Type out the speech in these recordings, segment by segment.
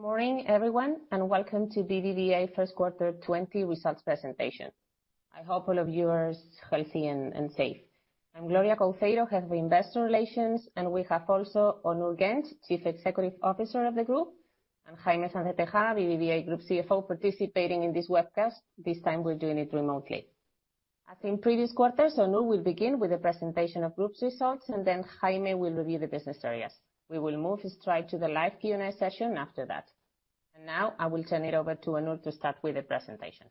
Good morning, everyone, and welcome to BBVA first quarter 2020 results presentation. I hope all of you are healthy and safe. I'm Gloria Couceiro, Head of Investor Relations, and we have also Onur Genç, Chief Executive Officer of the Group, and Jaime Sáenz de Tejada, BBVA Group CFO, participating in this webcast. This time we're doing it remotely. As in previous quarters, Onur will begin with the presentation of Group's results, and then Jaime will review the business areas. We will move straight to the live Q&A session after that. Now I will turn it over to Onur to start with the presentation.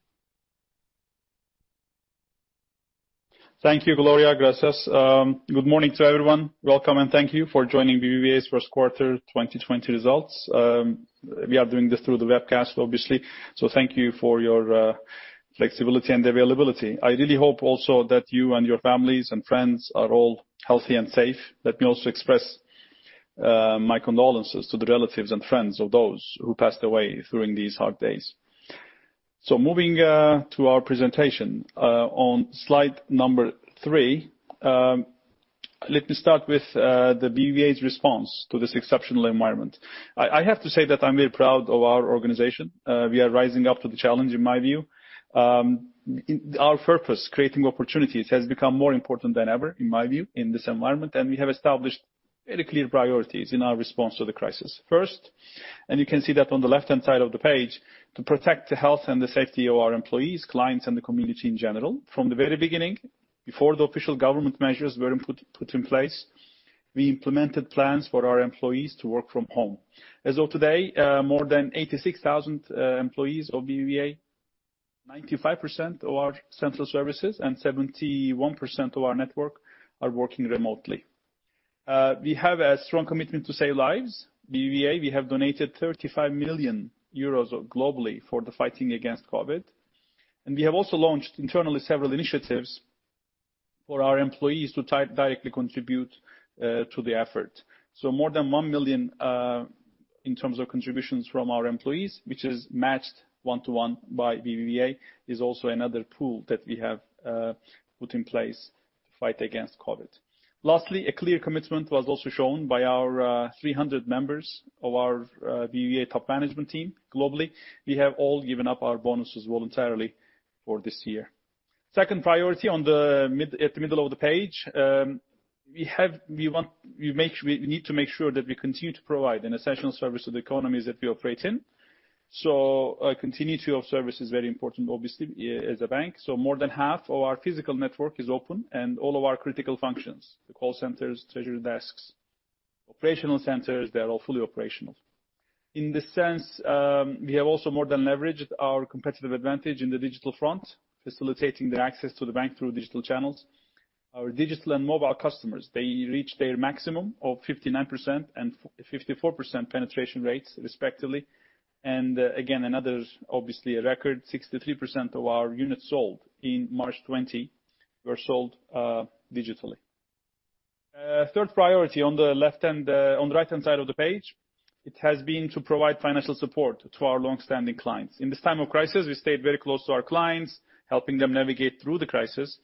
Thank you, Gloria. Gracias. Good morning to everyone. Welcome, and thank you for joining BBVA's first quarter 2020 results. We are doing this through the webcast, obviously, so thank you for your flexibility and availability. I really hope also that you and your families and friends are all healthy and safe. Let me also express my condolences to the relatives and friends of those who passed away during these hard days. Moving to our presentation, on slide number three. Let me start with the BBVA's response to this exceptional environment. I have to say that I'm very proud of our organization. We are rising up to the challenge, in my view. Our purpose, creating opportunities, has become more important than ever, in my view, in this environment, and we have established very clear priorities in our response to the crisis. First, you can see that on the left-hand side of the page, to protect the health and the safety of our employees, clients, and the community in general. From the very beginning, before the official government measures were put in place, we implemented plans for our employees to work from home. As of today, more than 86,000 employees of BBVA, 95% of our central services and 71% of our network are working remotely. We have a strong commitment to save lives. BBVA, we have donated 35 million euros globally for the fighting against COVID, and we have also launched internally several initiatives for our employees to directly contribute to the effort. More than 1 million, in terms of contributions from our employees, which is matched one-to-one by BBVA, is also another pool that we have put in place to fight against COVID. Lastly, a clear commitment was also shown by our 300 members of our BBVA top management team globally. We have all given up our bonuses voluntarily for this year. Second priority at the middle of the page. We need to make sure that we continue to provide an essential service to the economies that we operate in. Continuity of service is very important, obviously, as a bank. More than half of our physical network is open and all of our critical functions, the call centers, treasury desks, operational centers, they're all fully operational. In this sense, we have also more than leveraged our competitive advantage in the digital front, facilitating the access to the bank through digital channels. Our digital and mobile customers, they reach their maximum of 59% and 54% penetration rates, respectively. Again, another, obviously, a record 63% of our units sold in March 2020 were sold digitally. Third priority on the right-hand side of the page, it has been to provide financial support to our longstanding clients. In this time of crisis, we stayed very close to our clients, helping them navigate through the crisis.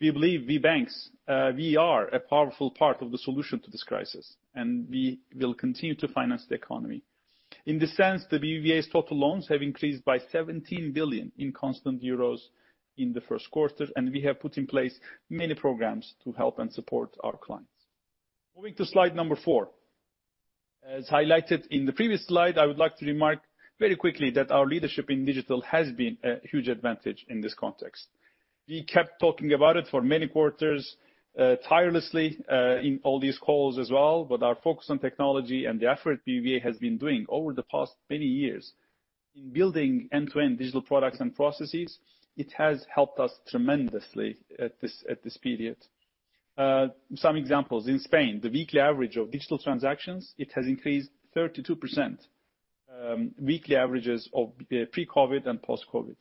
We believe we banks, we are a powerful part of the solution to this crisis, and we will continue to finance the economy. In this sense, BBVA's total loans have increased by 17 billion in constant EUR in the first quarter, and we have put in place many programs to help and support our clients. Moving to slide number four. As highlighted in the previous slide, I would like to remark very quickly that our leadership in digital has been a huge advantage in this context. We kept talking about it for many quarters, tirelessly, in all these calls as well. Our focus on technology and the effort BBVA has been doing over the past many years in building end-to-end digital products and processes, it has helped us tremendously at this period. Some examples. In Spain, the weekly average of digital transactions, it has increased 32%, weekly averages of pre-COVID and post-COVID.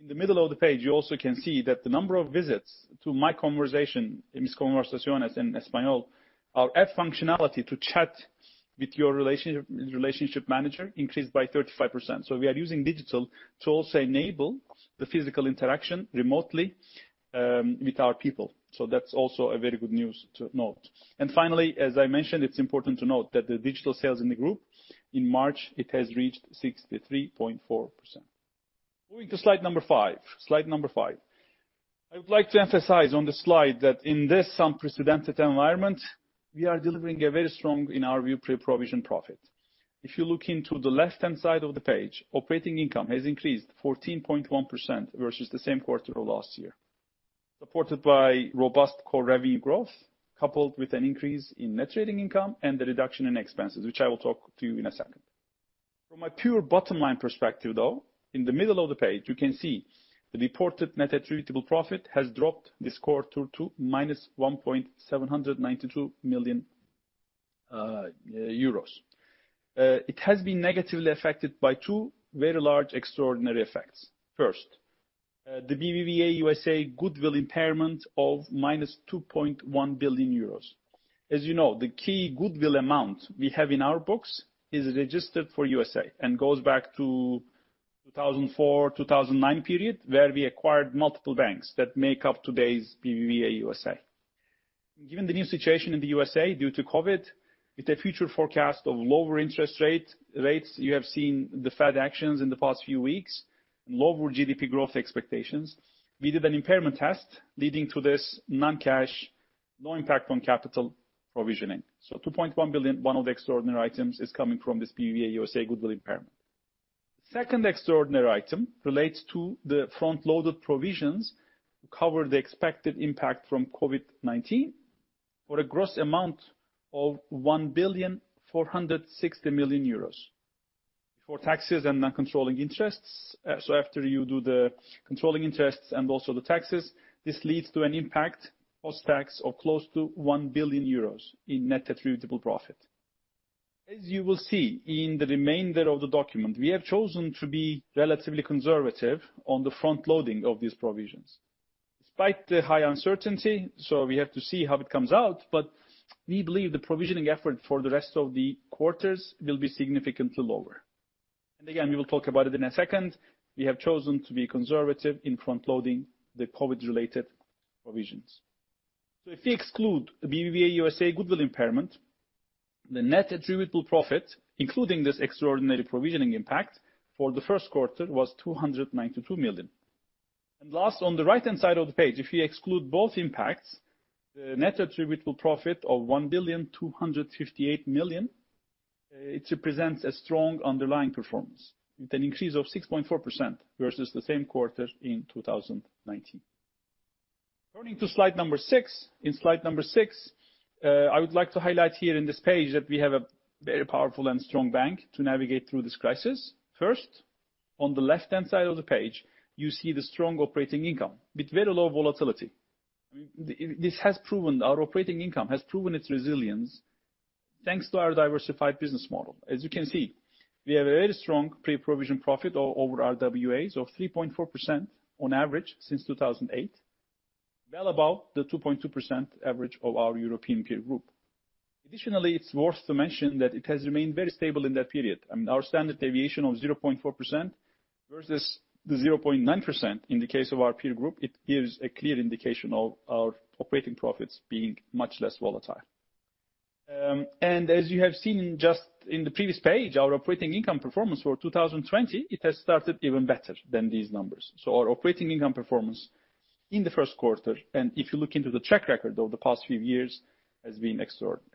In the middle of the page, you also can see that the number of visits to My Conversation, Mis Conversaciones in español, our app functionality to chat with your relationship manager increased by 35%. We are using digital to also enable the physical interaction remotely with our people. That's also a very good news to note. Finally, as I mentioned, it's important to note that the digital sales in the group in March, it has reached 63.4%. Moving to slide number five. I would like to emphasize on the slide that in this unprecedented environment, we are delivering a very strong, in our view, pre-provision profit. If you look into the left-hand side of the page, operating income has increased 14.1% versus the same quarter of last year, supported by robust core revenue growth, coupled with an increase in net trading income and the reduction in expenses, which I will talk to you in a second. From a pure bottom line perspective, though, in the middle of the page, you can see the reported net attributable profit has dropped this quarter to -1.792 million euros. It has been negatively affected by two very large extraordinary effects. First, the BBVA U.S.A. goodwill impairment of -2.1 billion euros. As you know, the key goodwill amount we have in our books is registered for U.S.A. and goes back to 2004, 2009 period, where we acquired multiple banks that make up today's BBVA U.S.A. Given the new situation in the U.S.A. due to COVID, with a future forecast of lower interest rates, you have seen the Fed actions in the past few weeks, lower GDP growth expectations. We did an impairment test leading to this non-cash, no impact on capital provisioning. 2.1 billion, one of the extraordinary items is coming from this BBVA U.S.A. goodwill impairment. Second extraordinary item relates to the front-loaded provisions to cover the expected impact from COVID-19 for a gross amount of 1.46 billion for taxes and non-controlling interests. After you do the controlling interests and also the taxes, this leads to an impact post-tax of close to 1 billion euros in net attributable profit. As you will see in the remainder of the document, we have chosen to be relatively conservative on the front-loading of these provisions. Despite the high uncertainty, so we have to see how it comes out, but we believe the provisioning effort for the rest of the quarters will be significantly lower. Again, we will talk about it in a second. We have chosen to be conservative in front-loading the COVID-related provisions. If we exclude the BBVA U.S.A. goodwill impairment, the net attributable profit, including this extraordinary provisioning impact for the first quarter, was 292 million. Last, on the right-hand side of the page, if we exclude both impacts, the net attributable profit of 1.258 billion, it represents a strong underlying performance with an increase of 6.4% versus the same quarter in 2019. Turning to slide number six. In slide number six, I would like to highlight here in this page that we have a very powerful and strong bank to navigate through this crisis. First, on the left-hand side of the page, you see the strong operating income with very low volatility. Our operating income has proven its resilience thanks to our diversified business model. As you can see, we have a very strong pre-provision profit over our RWAs of 3.4% on average since 2008, well above the 2.2% average of our European peer group. Additionally, it's worth to mention that it has remained very stable in that period. Our standard deviation of 0.4% versus the 0.9% in the case of our peer group, it gives a clear indication of our operating profits being much less volatile. As you have seen just in the previous page, our operating income performance for 2020, it has started even better than these numbers. Our operating income performance in the first quarter, and if you look into the track record over the past few years, has been extraordinary.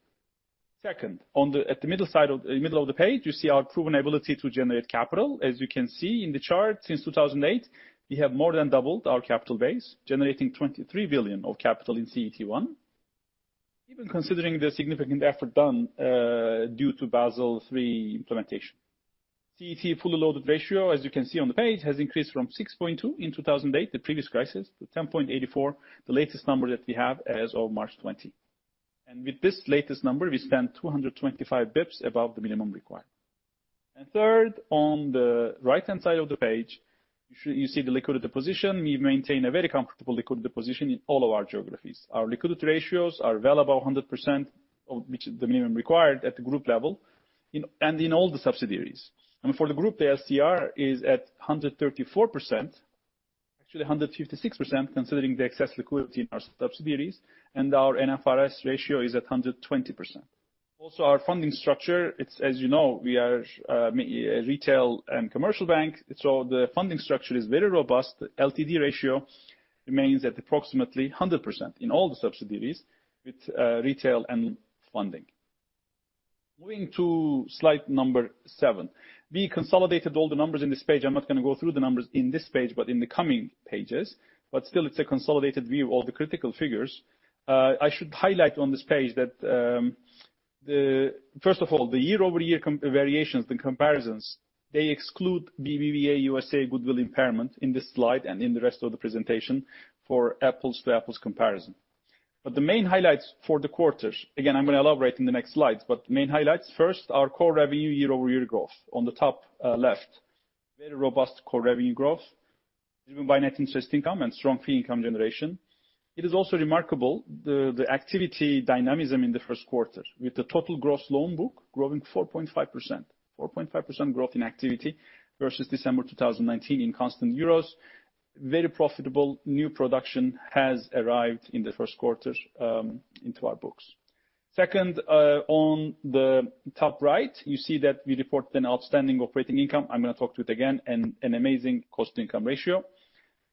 Second, at the middle of the page, you see our proven ability to generate capital. As you can see in the chart, since 2008, we have more than doubled our capital base, generating 23 billion of capital in CET1, even considering the significant effort done due to Basel III implementation. CET1 fully loaded ratio, as you can see on the page, has increased from 6.2% in 2008, the previous crisis, to 10.84, the latest number that we have as of March 2020. With this latest number, we stand 225 basis points above the minimum required. Third, on the right-hand side of the page, you see the liquidity position. We've maintained a very comfortable liquidity position in all of our geographies. Our liquidity ratios are well above 100%, which is the minimum required at the group level and in all the subsidiaries. For the group, the LCR is at 134%, actually 156% considering the excess liquidity in our subsidiaries, and our NSFR ratio is at 120%. Our funding structure, as you know, we are a retail and commercial bank, the funding structure is very robust. The LTD ratio remains at approximately 100% in all the subsidiaries with retail and funding. Moving to slide number seven. We consolidated all the numbers in this page. I'm not going to go through the numbers in this page, in the coming pages, still it's a consolidated view of the critical figures. I should highlight on this page that, first of all, the year-over-year variations and comparisons, they exclude BBVA U.S.A. goodwill impairment in this slide and in the rest of the presentation for apples-to-apples comparison. The main highlights for the quarters, again, I'm going to elaborate in the next slides, but the main highlights, first, our core revenue year-over-year growth on the top left. Very robust core revenue growth driven by net interest income and strong fee income generation. It is also remarkable the activity dynamism in the first quarter with the total gross loan book growing 4.5%. 4.5% growth in activity versus December 2019 in constant euros. Very profitable new production has arrived in the first quarter into our books. Second, on the top right, you see that we report an outstanding operating income. I'm going to talk to it again, and an amazing cost-income ratio.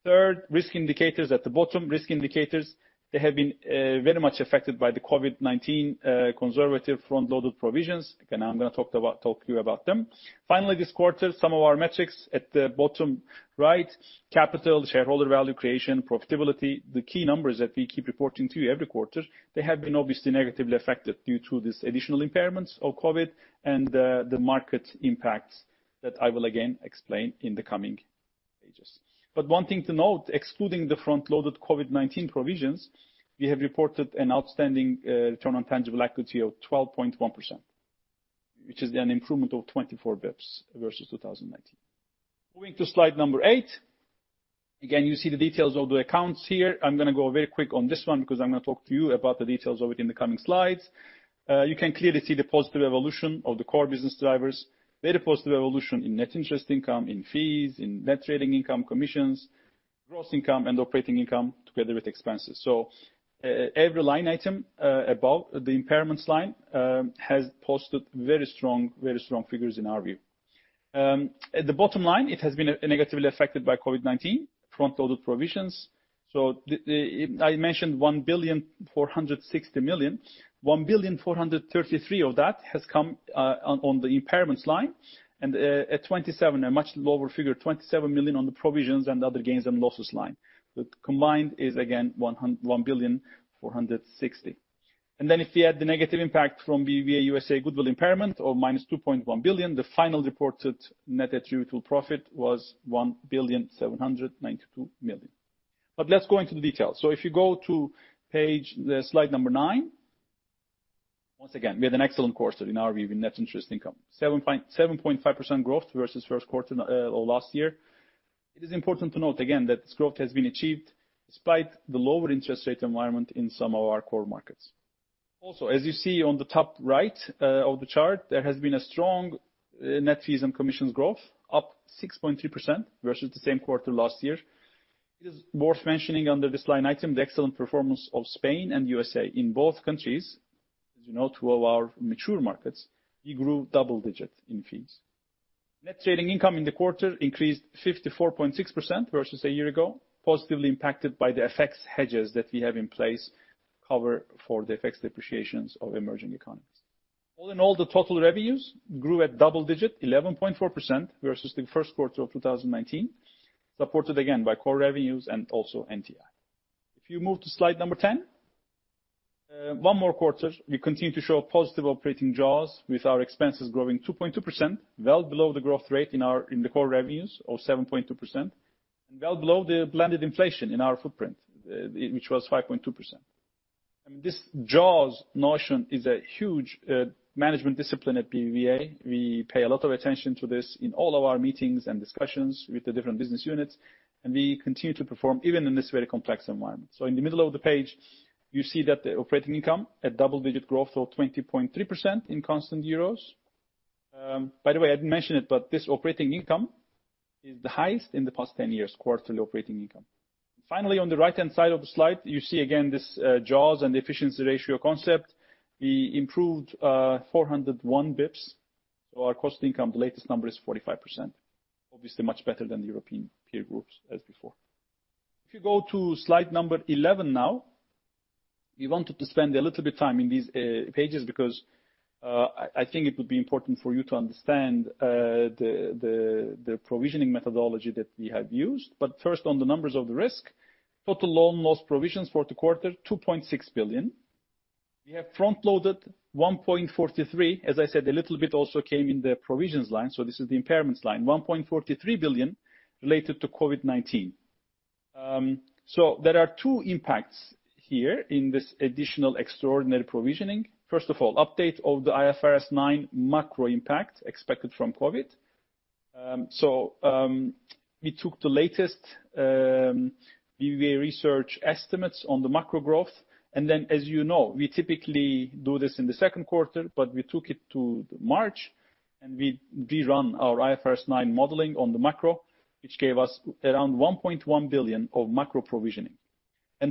Third, risk indicators at the bottom. Risk indicators, they have been very much affected by the COVID-19 conservative front-loaded provisions. I'm going to talk to you about them. This quarter, some of our metrics at the bottom right, capital, shareholder value creation, profitability, the key numbers that we keep reporting to you every quarter, they have been obviously negatively affected due to these additional impairments of COVID and the market impacts that I will again explain in the coming pages. One thing to note, excluding the front-loaded COVID-19 provisions, we have reported an outstanding return on tangible equity of 12.1%, which is an improvement of 24 basis points versus 2019. Moving to slide number eight. You see the details of the accounts here. I'm going to go very quick on this one because I'm going to talk to you about the details of it in the coming slides. You can clearly see the positive evolution of the core business drivers. Very positive evolution in net interest income, in fees, in net trading income commissions. Gross income and operating income together with expenses. Every line item above the impairments line has posted very strong figures in our view. At the bottom line, it has been negatively affected by COVID-19, front-loaded provisions. I mentioned 1.460 billion. 1.433 billion of that has come on the impairments line and at 27 million, a much lower figure, 27 million on the provisions and other gains and losses line. Combined is again, 1.460 billion. If we add the negative impact from BBVA U.S.A. goodwill impairment or -2.1 billion, the final reported net attributable profit was 1.792 billion. Let's go into the details. If you go to page, the slide number nine. Once again, we had an excellent quarter in our view in net interest income. 7.5% growth versus first quarter of last year. It is important to note again that this growth has been achieved despite the lower interest rate environment in some of our core markets. As you see on the top right of the chart, there has been a strong net fees and commissions growth, up 6.3% versus the same quarter last year. It is worth mentioning under this line item, the excellent performance of Spain and U.S.A. in both countries, as you know, two of our mature markets, we grew double-digit in fees. Net trading income in the quarter increased 54.6% versus a year ago, positively impacted by the FX hedges that we have in place cover for the FX depreciations of emerging economies. All in all, the total revenues grew at double digit, 11.4% versus the first quarter of 2019, supported again by core revenues and also NTI. If you move to slide number 10. One more quarter, we continue to show positive operating Jaws with our expenses growing 2.2%, well below the growth rate in the core revenues of 7.2%, and well below the blended inflation in our footprint, which was 5.2%. This Jaws notion is a huge management discipline at BBVA. We pay a lot of attention to this in all of our meetings and discussions with the different business units. We continue to perform even in this very complex environment. In the middle of the page, you see that the operating income at double-digit growth of 20.3% in constant euros. By the way, I didn't mention it, but this operating income is the highest in the past 10 years, quarterly operating income. Finally, on the right-hand side of the slide, you see again this Jaws and efficiency ratio concept. We improved 401 basis points, our cost income, the latest number is 45%. Obviously, much better than the European peer groups as before. If you go to slide number 11 now. We wanted to spend a little bit time in these pages because I think it would be important for you to understand the provisioning methodology that we have used. First on the numbers of the risk, total loan loss provisions for the quarter, 2.6 billion. We have front-loaded 1.43 billion. As I said, a little bit also came in the provisions line, so this is the impairments line, 1.43 billion related to COVID-19. There are two impacts here in this additional extraordinary provisioning. First of all, update of the IFRS 9 macro impact expected from COVID. We took the latest BBVA Research estimates on the macro growth, and then as you know, we typically do this in the second quarter, but we took it to March and we rerun our IFRS 9 modeling on the macro, which gave us around 1.1 billion of macro provisioning.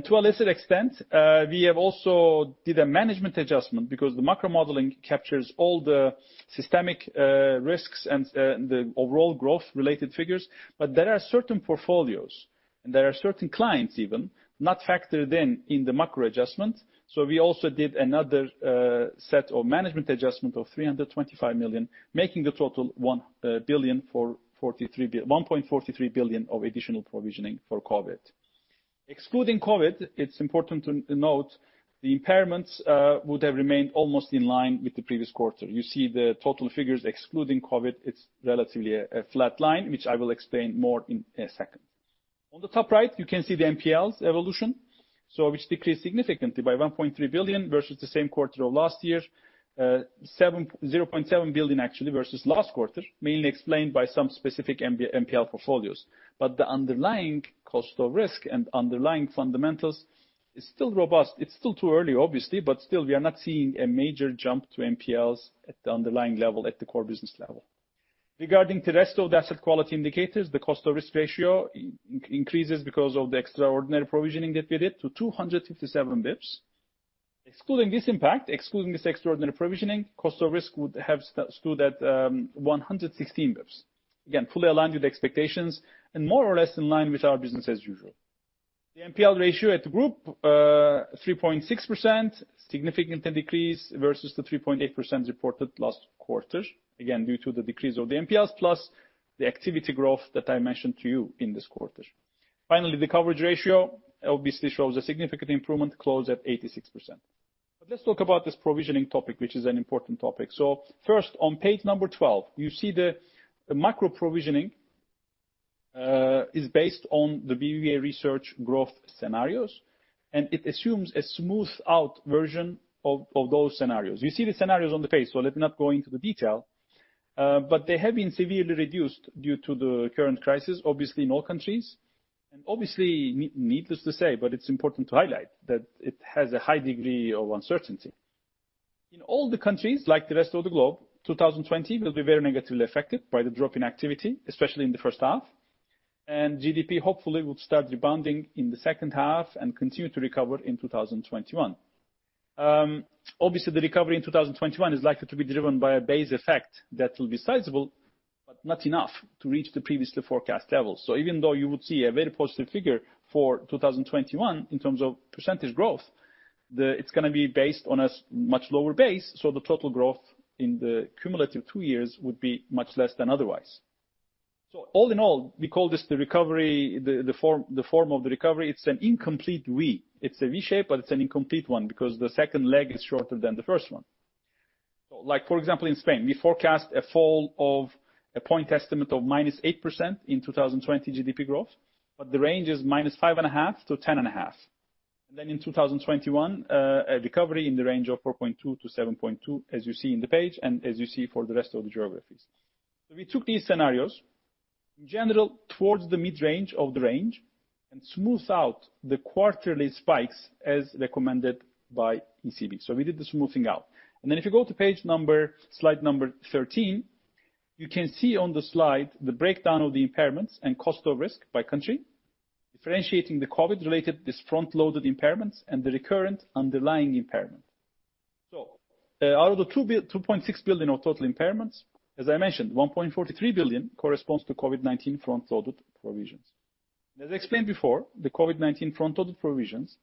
To a lesser extent, we have also did a management adjustment because the macro modeling captures all the systemic risks and the overall growth-related figures, but there are certain portfolios, and there are certain clients even, not factored in in the macro adjustment. We also did another set of management adjustment of 325 million, making the total 1.43 billion of additional provisioning for COVID. Excluding COVID, it's important to note the impairments would have remained almost in line with the previous quarter. You see the total figures excluding COVID, it's relatively a flat line, which I will explain more in a second. On the top right, you can see the NPLs evolution, which decreased significantly by 1.3 billion versus the same quarter of last year. 0.7 billion actually versus last quarter, mainly explained by some specific NPL portfolios. The underlying cost of risk and underlying fundamentals is still robust. It's still too early obviously, but still we are not seeing a major jump to NPLs at the underlying level, at the core business level. Regarding the rest of the asset quality indicators, the cost of risk ratio increases because of the extraordinary provisioning that we did to 257 basis points. Excluding this impact, excluding this extraordinary provisioning, cost of risk would have stood at 116 basis points. Again, fully aligned with expectations and more or less in line with our business as usual. The NPL ratio at group, 3.6%, significant decrease versus the 3.8% reported last quarter, again due to the decrease of the NPLs plus the activity growth that I mentioned to you in this quarter. Finally, the coverage ratio obviously shows a significant improvement, close at 86%. Let's talk about this provisioning topic, which is an important topic. First, on page 12, you see the macro provisioning is based on the BBVA Research growth scenarios, and it assumes a smooth out version of those scenarios. You see the scenarios on the page, let me not go into the detail. They have been severely reduced due to the current crisis, obviously in all countries, obviously needless to say, it's important to highlight that it has a high degree of uncertainty. In all the countries like the rest of the globe, 2020 will be very negatively affected by the drop in activity, especially in the first half. GDP hopefully will start rebounding in the second half and continue to recover in 2021. Obviously, the recovery in 2021 is likely to be driven by a base effect that will be sizable, not enough to reach the previously forecast levels. Even though you would see a very positive figure for 2021 in terms of percentage growth, it's going to be based on a much lower base, the total growth in the cumulative two years would be much less than otherwise. All in all, we call this the form of the recovery. It's an incomplete V. It's a V shape, but it's an incomplete one because the second leg is shorter than the first one. Like for example, in Spain, we forecast a fall of a point estimate of -8% in 2020 GDP growth, but the range is -5.5% to -10.5%. In 2021, a recovery in the range of 4.2%-7.2%, as you see in the page and as you see for the rest of the geographies. We took these scenarios, in general, towards the mid-range of the range, and smooth out the quarterly spikes as recommended by ECB. We did the smoothing out. If you go to slide number 13, you can see on the slide the breakdown of the impairments and cost of risk by country, differentiating the COVID-related, these front-loaded impairments, and the recurrent underlying impairment. Out of the 2.6 billion of total impairments, as I mentioned, 1.43 billion corresponds to COVID-19 front-loaded provisions. As explained before, the COVID-19 front-loaded provisions,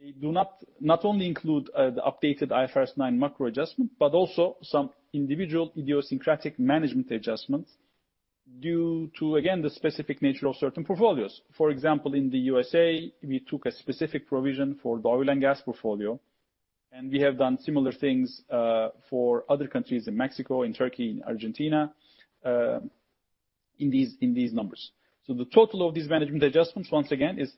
they do not only include the updated IFRS 9 macro adjustment, but also some individual idiosyncratic management adjustments due to, again, the specific nature of certain portfolios. In the U.S.A., we took a specific provision for the oil and gas portfolio, we have done similar things for other countries in Mexico, in Turkey, in Argentina, in these numbers. The total of these management adjustments, once again, is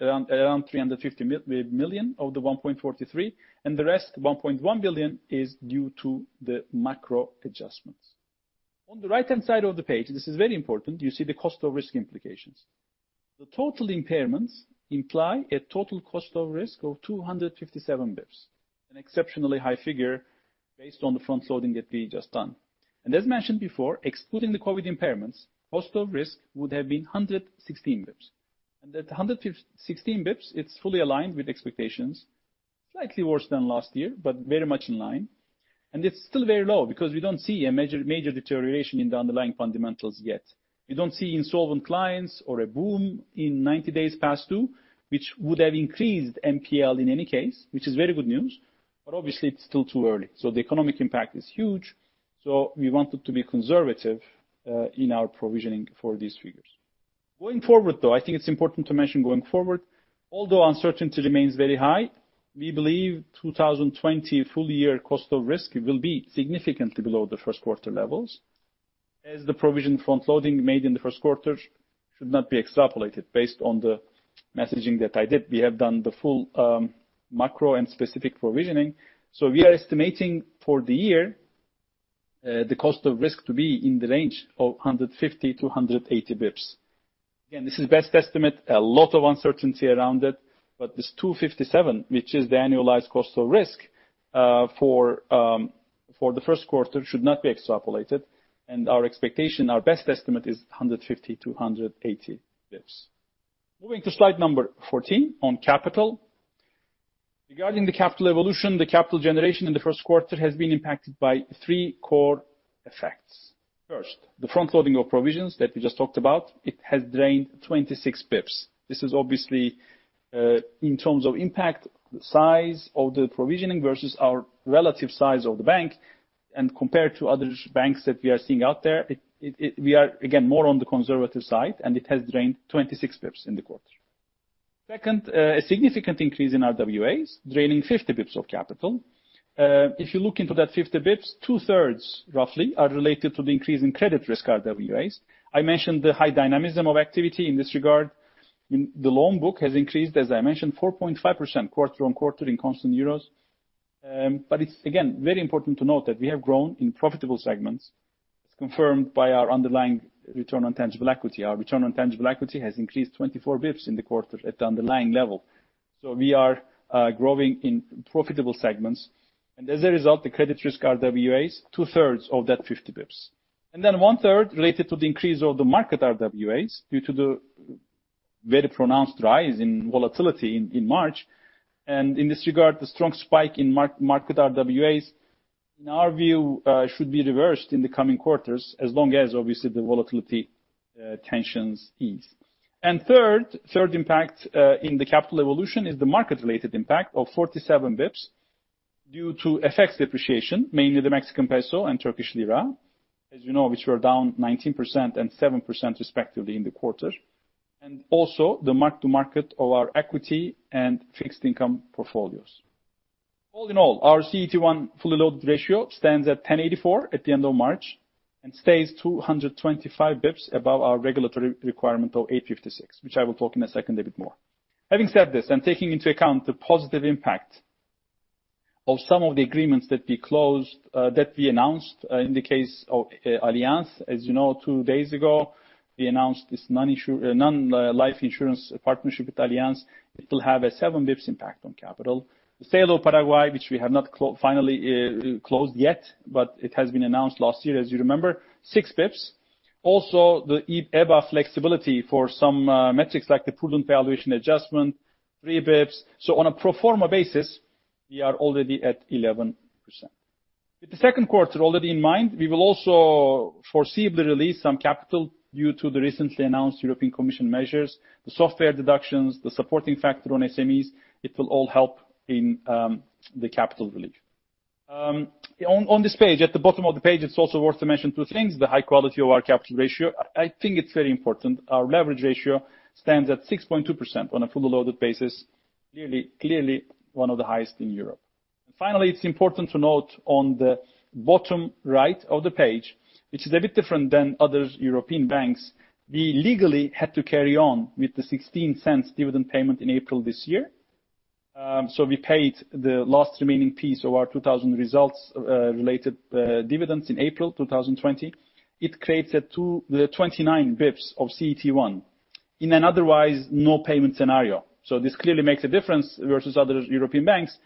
around 350 million of the 1.43 billion, the rest, 1.1 billion, is due to the macro adjustments. On the right-hand side of the page, this is very important, you see the cost of risk implications. The total impairments imply a total cost of risk of 257 basis points, an exceptionally high figure based on the front loading that we just done. As mentioned before, excluding the COVID impairments, cost of risk would have been 116 basis points. At 116 basis points, it's fully aligned with expectations. Slightly worse than last year, very much in line. It's still very low because we don't see a major deterioration in the underlying fundamentals yet. We don't see insolvent clients or a boom in 90 days past due, which would have increased NPL in any case, which is very good news. Obviously it's still too early. The economic impact is huge. We wanted to be conservative in our provisioning for these figures. Going forward, though, I think it's important to mention going forward, although uncertainty remains very high, we believe 2020 full year cost of risk will be significantly below the first quarter levels as the provision front-loading made in the first quarter should not be extrapolated based on the messaging that I did. We have done the full macro and specific provisioning. We are estimating for the year, the cost of risk to be in the range of 150 to 180 basis points. This is best estimate. A lot of uncertainty around it, this 257 basis points, which is the annualized cost of risk, for the first quarter, should not be extrapolated. Our expectation, our best estimate is 150 to 180 basis points. Moving to slide number 14 on capital. Regarding the capital evolution, the capital generation in the first quarter has been impacted by three core effects. First, the front-loading of provisions that we just talked about, it has drained 26 basis points. This is obviously, in terms of impact, the size of the provisioning versus our relative size of the bank. Compared to other banks that we are seeing out there, we are, again, more on the conservative side, and it has drained 26 basis points in the quarter. Second, a significant increase in RWAs, draining 50 basis points of capital. If you look into that 50 basis points, two-thirds, roughly, are related to the increase in credit risk RWAs. I mentioned the high dynamism of activity in this regard. The loan book has increased, as I mentioned, 4.5% quarter-on-quarter in constant euros. It's, again, very important to note that we have grown in profitable segments, as confirmed by our underlying return on tangible equity. Our return on tangible equity has increased 24 basis points in the quarter at the underlying level. We are growing in profitable segments. As a result, the credit risk RWAs, two-thirds of that 50 basis points. Then one-third related to the increase of the market RWAs due to the very pronounced rise in volatility in March. In this regard, the strong spike in market RWAs, in our view, should be reversed in the coming quarters as long as, obviously, the volatility tensions ease. Third impact in the capital evolution is the market-related impact of 47 basis points due to FX depreciation, mainly the Mexican peso and Turkish lira. As you know, which were down 19% and 7% respectively in the quarter. Also the mark to market of our equity and fixed income portfolios. All in all, our CET1 fully loaded ratio stands at 10.84% at the end of March and stays 225 basis points above our regulatory requirement of 856 basis points, which I will talk in a second a bit more. Having said this, taking into account the positive impact of some of the agreements that we announced, in the case of Allianz, as you know, two days ago, we announced this non-life insurance partnership with Allianz. It will have a 7 basis points impact on capital. The sale of Paraguay, which we have not finally closed yet, but it has been announced last year, as you remember, 6 basis points. The EBA flexibility for some metrics like the prudent valuation adjustment, 3 basis points. On a pro forma basis, we are already at 11%. With the second quarter already in mind, we will also foreseeably release some capital due to the recently announced European Commission measures, the software deductions, the supporting factor on SMEs. It will all help in the capital relief. On this page, at the bottom of the page, it's also worth to mention two things. The high quality of our capital ratio. I think it's very important. Our leverage ratio stands at 6.2% on a fully loaded basis, clearly one of the highest in Europe. Finally, it's important to note on the bottom right of the page, which is a bit different than other European banks, we legally had to carry on with the 0.16 dividend payment in April this year. We paid the last remaining piece of our 2000 results, related dividends in April 2020. It creates a 29 basis points of CET1 in an otherwise no payment scenario. This clearly makes a difference versus other European banks,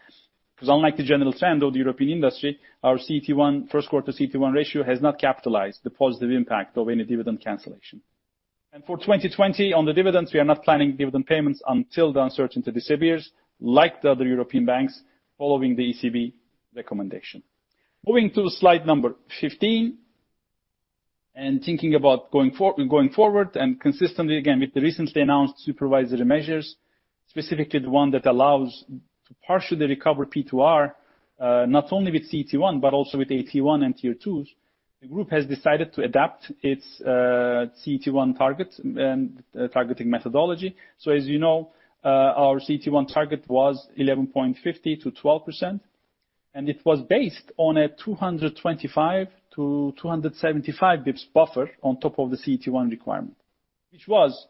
because unlike the general trend of the European industry, our first quarter CET1 ratio has not capitalized the positive impact of any dividend cancellation. For 2020 on the dividends, we are not planning dividend payments until the uncertainty disappears, like the other European banks following the ECB recommendation. Moving to slide number 15 and thinking about going forward and consistently again with the recently announced supervisory measures, specifically the one that allows to partially recover P2R, not only with CET1, but also with AT1 and Tier 2s. The group has decided to adapt its CET1 target and targeting methodology. As you know, our CET1 target was 11.50%-12%, and it was based on a 225-275 basis points buffer on top of the CET1 requirement. Which was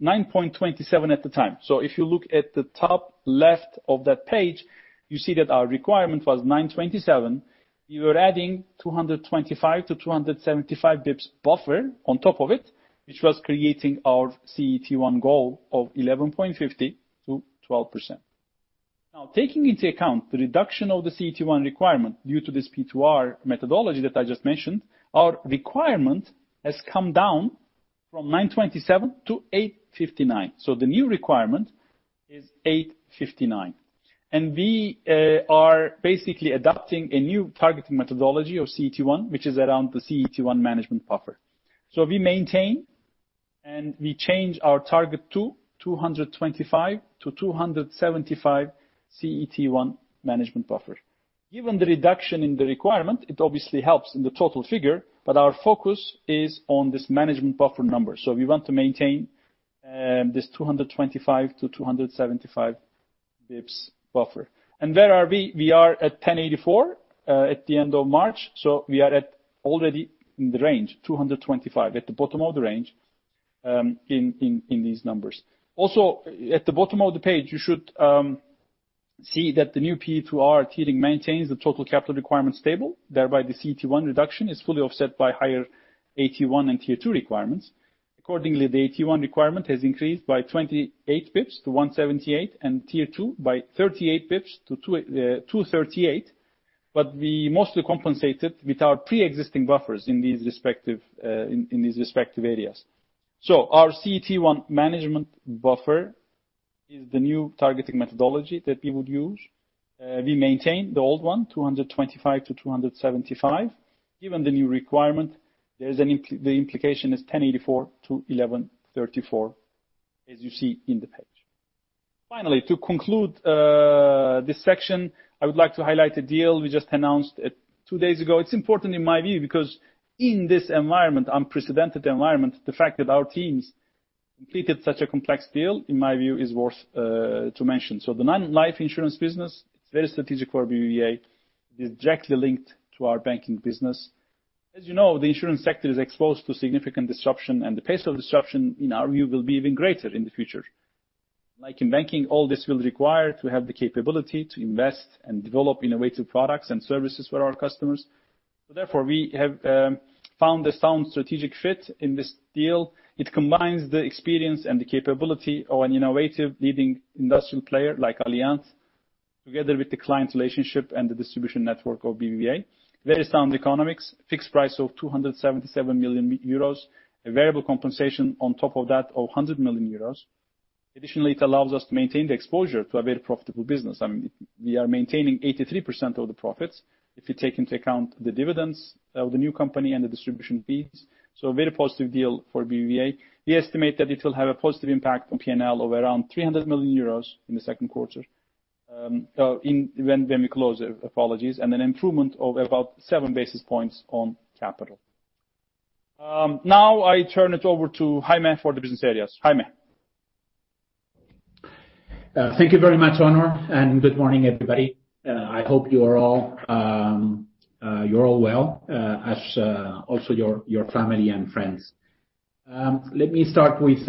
9.27% at the time. If you look at the top left of that page, you see that our requirement was 9.27%. We were adding 225-275 basis points buffer on top of it, which was creating our CET1 goal of 11.50%-12%. Taking into account the reduction of the CET1 requirement due to this P2R methodology that I just mentioned, our requirement has come down from 9.27% to 8.59%. The new requirement is 8.59%. We are basically adopting a new targeting methodology of CET1, which is around the CET1 management buffer. We maintain and we change our target to 225-275 basis points CET1 management buffer. Given the reduction in the requirement, it obviously helps in the total figure, but our focus is on this management buffer number. We want to maintain this 225-275 basis points buffer. Where are we? We are at 10.84% at the end of March. We are already in the range, 225 basis points at the bottom of the range in these numbers. At the bottom of the page, you should see that the new P2R tiering maintains the total capital requirement stable, thereby the CET1 reduction is fully offset by higher AT1 and Tier 2 requirements. The AT1 requirement has increased by 28 basis points to 178 and Tier 2 by 38 basis points to 238. We mostly compensated with our preexisting buffers in these respective areas. Our CET1 management buffer is the new targeting methodology that we would use. We maintain the old one, 225-275. Given the new requirement, the implication is 10.84%-11.34% as you see in the page. To conclude this section, I would like to highlight a deal we just announced two days ago. It's important in my view, because in this unprecedented environment, the fact that our teams completed such a complex deal, in my view, is worth to mention. The non-life insurance business, it's very strategic for BBVA, directly linked to our banking business. As you know, the insurance sector is exposed to significant disruption, and the pace of disruption in our view will be even greater in the future. Like in banking, all this will require to have the capability to invest and develop innovative products and services for our customers. Therefore, we have found a sound strategic fit in this deal. It combines the experience and the capability of an innovative leading industrial player like Allianz, together with the client relationship and the distribution network of BBVA. Very sound economics, fixed price of 277 million euros, a variable compensation on top of that of 100 million euros. Additionally, it allows us to maintain the exposure to a very profitable business. I mean, we are maintaining 83% of the profits if you take into account the dividends of the new company and the distribution fees. A very positive deal for BBVA. We estimate that it will have a positive impact on P&L of around 300 million euros in the second quarter when we close, apologies, and an improvement of about seven basis points on capital. I turn it over to Jaime for the business areas. Jaime. Thank you very much, Onur, and good morning, everybody. I hope you're all well, as also your family and friends. Let me start with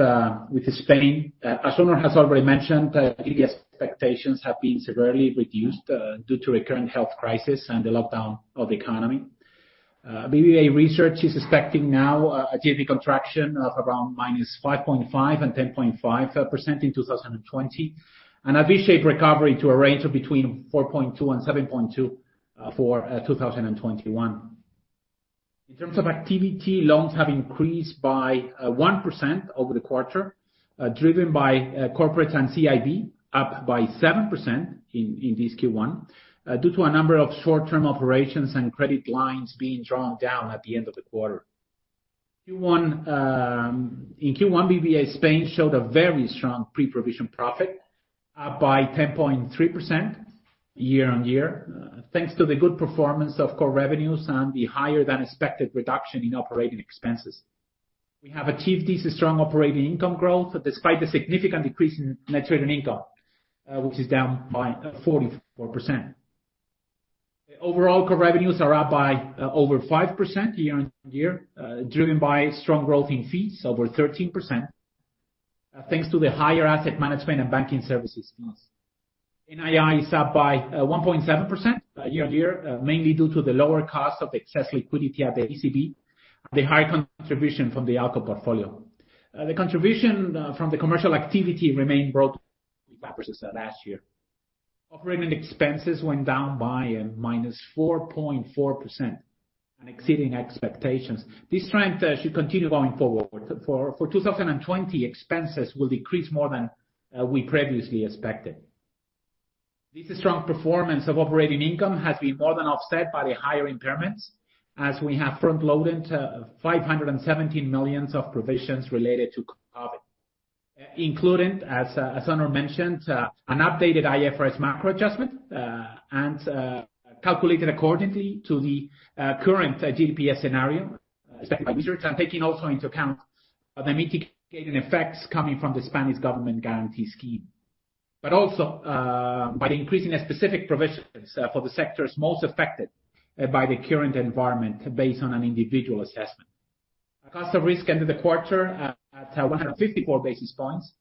Spain. As Onur has already mentioned, the expectations have been severely reduced due to the current health crisis and the lockdown of the economy. BBVA Research is expecting now a GDP contraction of around -5.5% and 10.5% in 2020, and a V-shaped recovery to a range of between 4.2% and 7.2% for 2021. In terms of activity, loans have increased by 1% over the quarter, driven by corporates and CIB, up by 7% in this Q1, due to a number of short-term operations and credit lines being drawn down at the end of the quarter. In Q1, BBVA Spain showed a very strong pre-provision profit, up by 10.3% year-on-year, thanks to the good performance of core revenues and the higher than expected reduction in operating expenses. We have achieved this strong operating income growth despite the significant decrease in net trading income, which is down by 44%. Overall core revenues are up by over 5% year-on-year, driven by strong growth in fees over 13%, thanks to the higher asset management and banking services fees. NII is up by 1.7% year-on-year, mainly due to the lower cost of excess liquidity at the ECB, and the high contribution from the ALCO portfolio. The contribution from the commercial activity remained broadly flat versus last year. Operating expenses went down by a -4.4%, and exceeding expectations. This strength should continue going forward. For 2020, expenses will decrease more than we previously expected. This strong performance of operating income has been more than offset by the higher impairments, as we have front-loaded 517 million of provisions related to COVID, including, as Onur mentioned, an updated IFRS macro adjustment, and calculated accordingly to the current GDP scenario expected by research and taking also into account the mitigating effects coming from the Spanish government guarantee scheme. Also, by increasing specific provisions for the sectors most affected by the current environment based on an individual assessment. Our cost of risk ended the quarter at 154 basis points,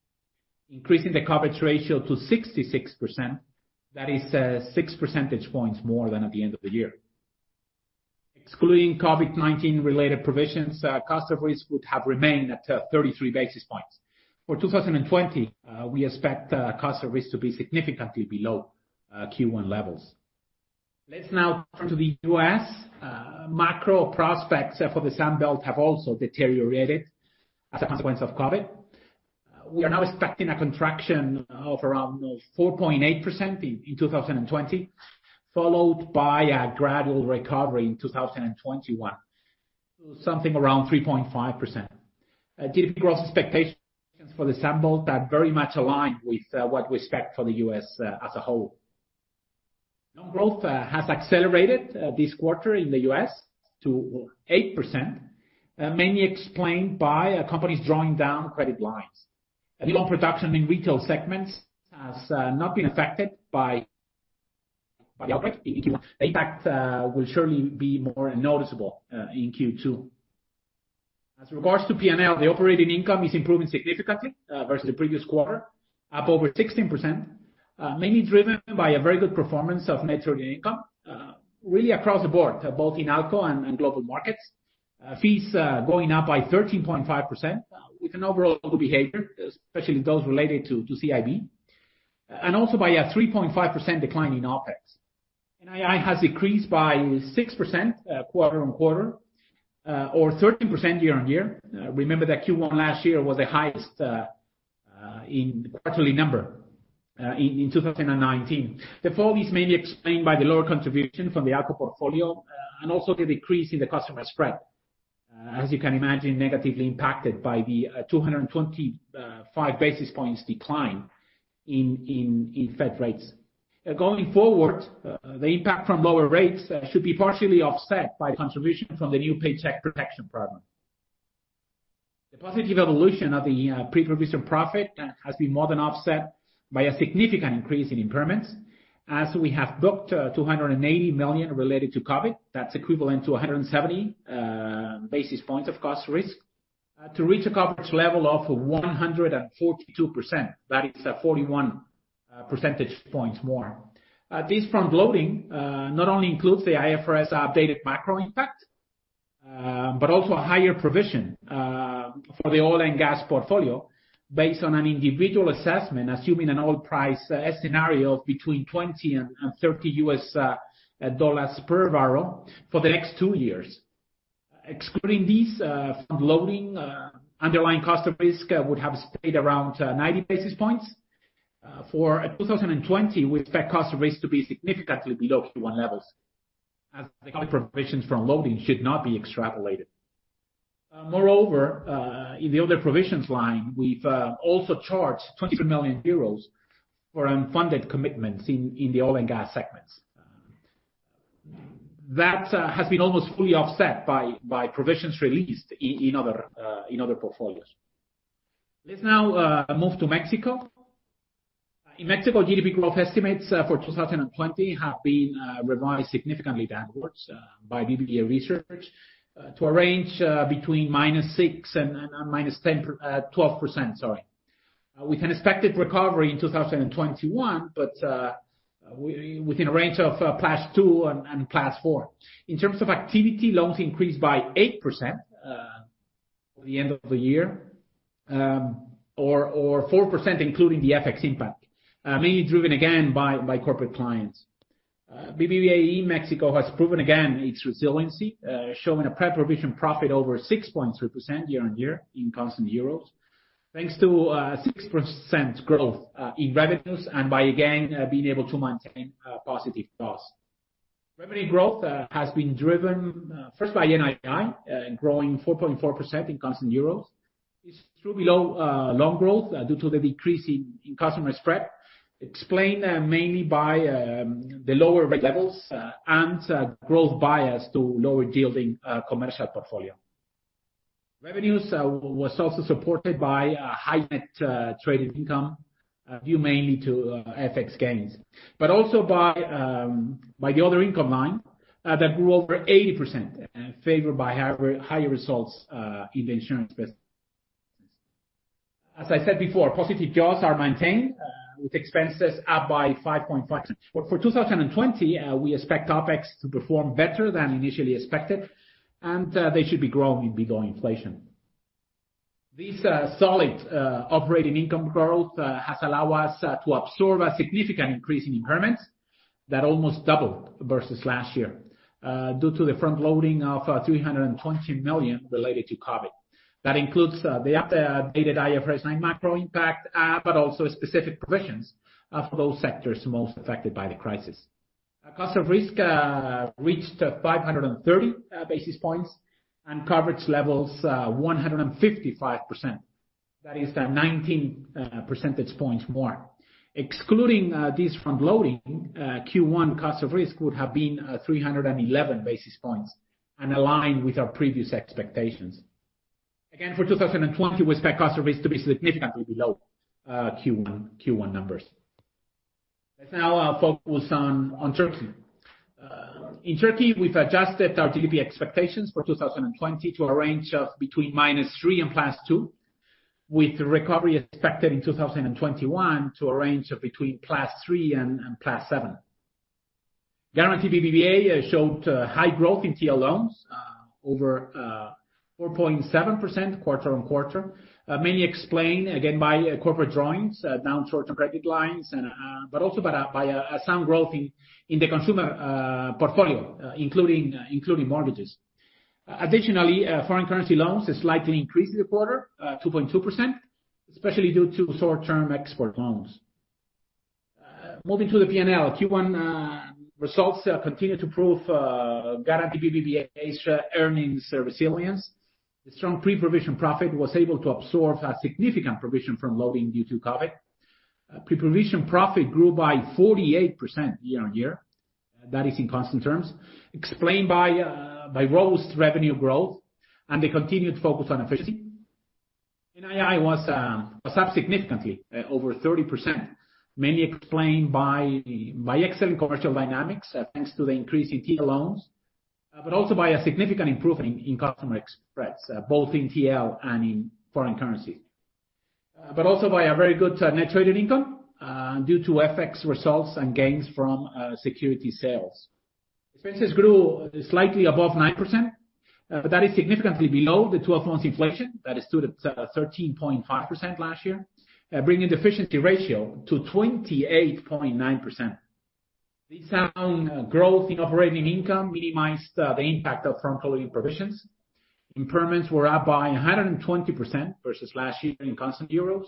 increasing the coverage ratio to 66%. That is 6 percentage points more than at the end of the year. Excluding COVID-19 related provisions, cost of risk would have remained at 33 basis points. For 2020, we expect cost of risk to be significantly below Q1 levels. Let's now turn to the U.S. Macro prospects for the Sun Belt have also deteriorated as a consequence of COVID. We are now expecting a contraction of around 4.8% in 2020, followed by a gradual recovery in 2021, something around 3.5%. GDP growth expectations for the Sun Belt are very much aligned with what we expect for the U.S. as a whole. Loan growth has accelerated this quarter in the U.S. to 8%, mainly explained by companies drawing down credit lines. Loan production in retail segments has not been affected by the outbreak in Q1. The impact will surely be more noticeable in Q2. As regards to P&L, the operating income is improving significantly versus the previous quarter, up over 16%, mainly driven by a very good performance of net trading income, really across the board, both in ALCO and global markets. Fees going up by 13.5% with an overall good behavior, especially those related to CIB. Also by a 3.5% decline in OpEx. NII has decreased by 6% quarter-on-quarter, or 13% year-on-year. Remember that Q1 last year was the highest in quarterly number, in 2019. The fall is mainly explained by the lower contribution from the ALCO portfolio, also the decrease in the customer spread, as you can imagine, negatively impacted by the 225 basis points decline in Fed rates. Going forward, the impact from lower rates should be partially offset by contribution from the new Paycheck Protection Program. The positive evolution of the pre-provision profit has been more than offset by a significant increase in impairments, as we have booked 280 million related to COVID, that's equivalent to 170 basis points of cost of risk, to reach a coverage level of 142%. That is 41 percentage points more. This front-loading not only includes the IFRS updated macro impact, but also a higher provision for the oil and gas portfolio based on an individual assessment, assuming an oil price scenario of between $20 and $30 per barrel for the next two years. Excluding this front-loading, underlying cost of risk would have stayed around 90 basis points. For 2020, we expect cost of risk to be significantly below Q1 levels, as the cost provisions front-loading should not be extrapolated. In the other provisions line, we've also charged 23 million euros for unfunded commitments in the oil and gas segments. That has been almost fully offset by provisions released in other portfolios. Let's now move to Mexico. In Mexico, GDP growth estimates for 2020 have been revised significantly downwards by BBVA Research to a range between -6% and -12%. With an expected recovery in 2021, within a range of +2% and +4%. In terms of activity, loans increased by 8%. For the end of the year, or 4% including the FX impact. Mainly driven, again, by corporate clients. BBVA in Mexico has proven again its resiliency, showing a pre-provision profit over 6.3% year-on-year in constant euro, thanks to 6% growth in revenues and by again being able to maintain a positive cost. Revenue growth has been driven first by NII, growing 4.4% in constant euro. It's still below loan growth due to the decrease in customer spread, explained mainly by the lower rate levels and growth bias to lower yielding commercial portfolio. Revenues was also supported by a high net trading income, due mainly to FX gains. Also by the other income line that grew over 80%, favored by higher results in the insurance business. As I said before, positive costs are maintained, with expenses up by 5.5%. For 2020, we expect OpEx to perform better than initially expected, and they should be growing in bigger inflation. This solid operating income growth has allowed us to absorb a significant increase in impairments that almost doubled versus last year due to the front loading of 320 million related to COVID. That includes the updated IFRS 9 macro impact, but also specific provisions for those sectors most affected by the crisis. Our cost of risk reached 530 basis points and coverage levels 155%. That is 19 percentage points more. Excluding this front loading, Q1 cost of risk would have been 311 basis points and aligned with our previous expectations. For 2020, we expect cost of risk to be significantly below Q1 numbers. Let's now focus on Turkey. In Turkey, we've adjusted our GDP expectations for 2020 to a range of between -3% and +2%, with recovery expected in 2021 to a range of between +3% and +7%. Garanti BBVA showed high growth in TL loans, over 4.7% quarter-on-quarter. Mainly explained, again, by corporate drawings down short-term credit lines, but also by some growth in the consumer portfolio including mortgages. Additionally, foreign currency loans slightly increased in the quarter, 2.2%, especially due to short-term export loans. Moving to the P&L. Q1 results continue to prove Garanti BBVA earnings resilience. The strong pre-provision profit was able to absorb a significant provision from loans due to COVID. Pre-provision profit grew by 48% year-on-year, that is in constant terms, explained by robust revenue growth and the continued focus on efficiency. NII was up significantly, over 30%, mainly explained by excellent commercial dynamics, thanks to the increase in TL loans, but also by a significant improvement in customer spreads, both in TL and in foreign currency. Also by a very good net traded income, due to FX results and gains from security sales. Expenses grew slightly above 9%, but that is significantly below the 12 months inflation, that stood at 13.5% last year, bringing the efficiency ratio to 28.9%. This sound growth in operating income minimized the impact of front-loading provisions. Impairments were up by 120% versus last year in constant euros,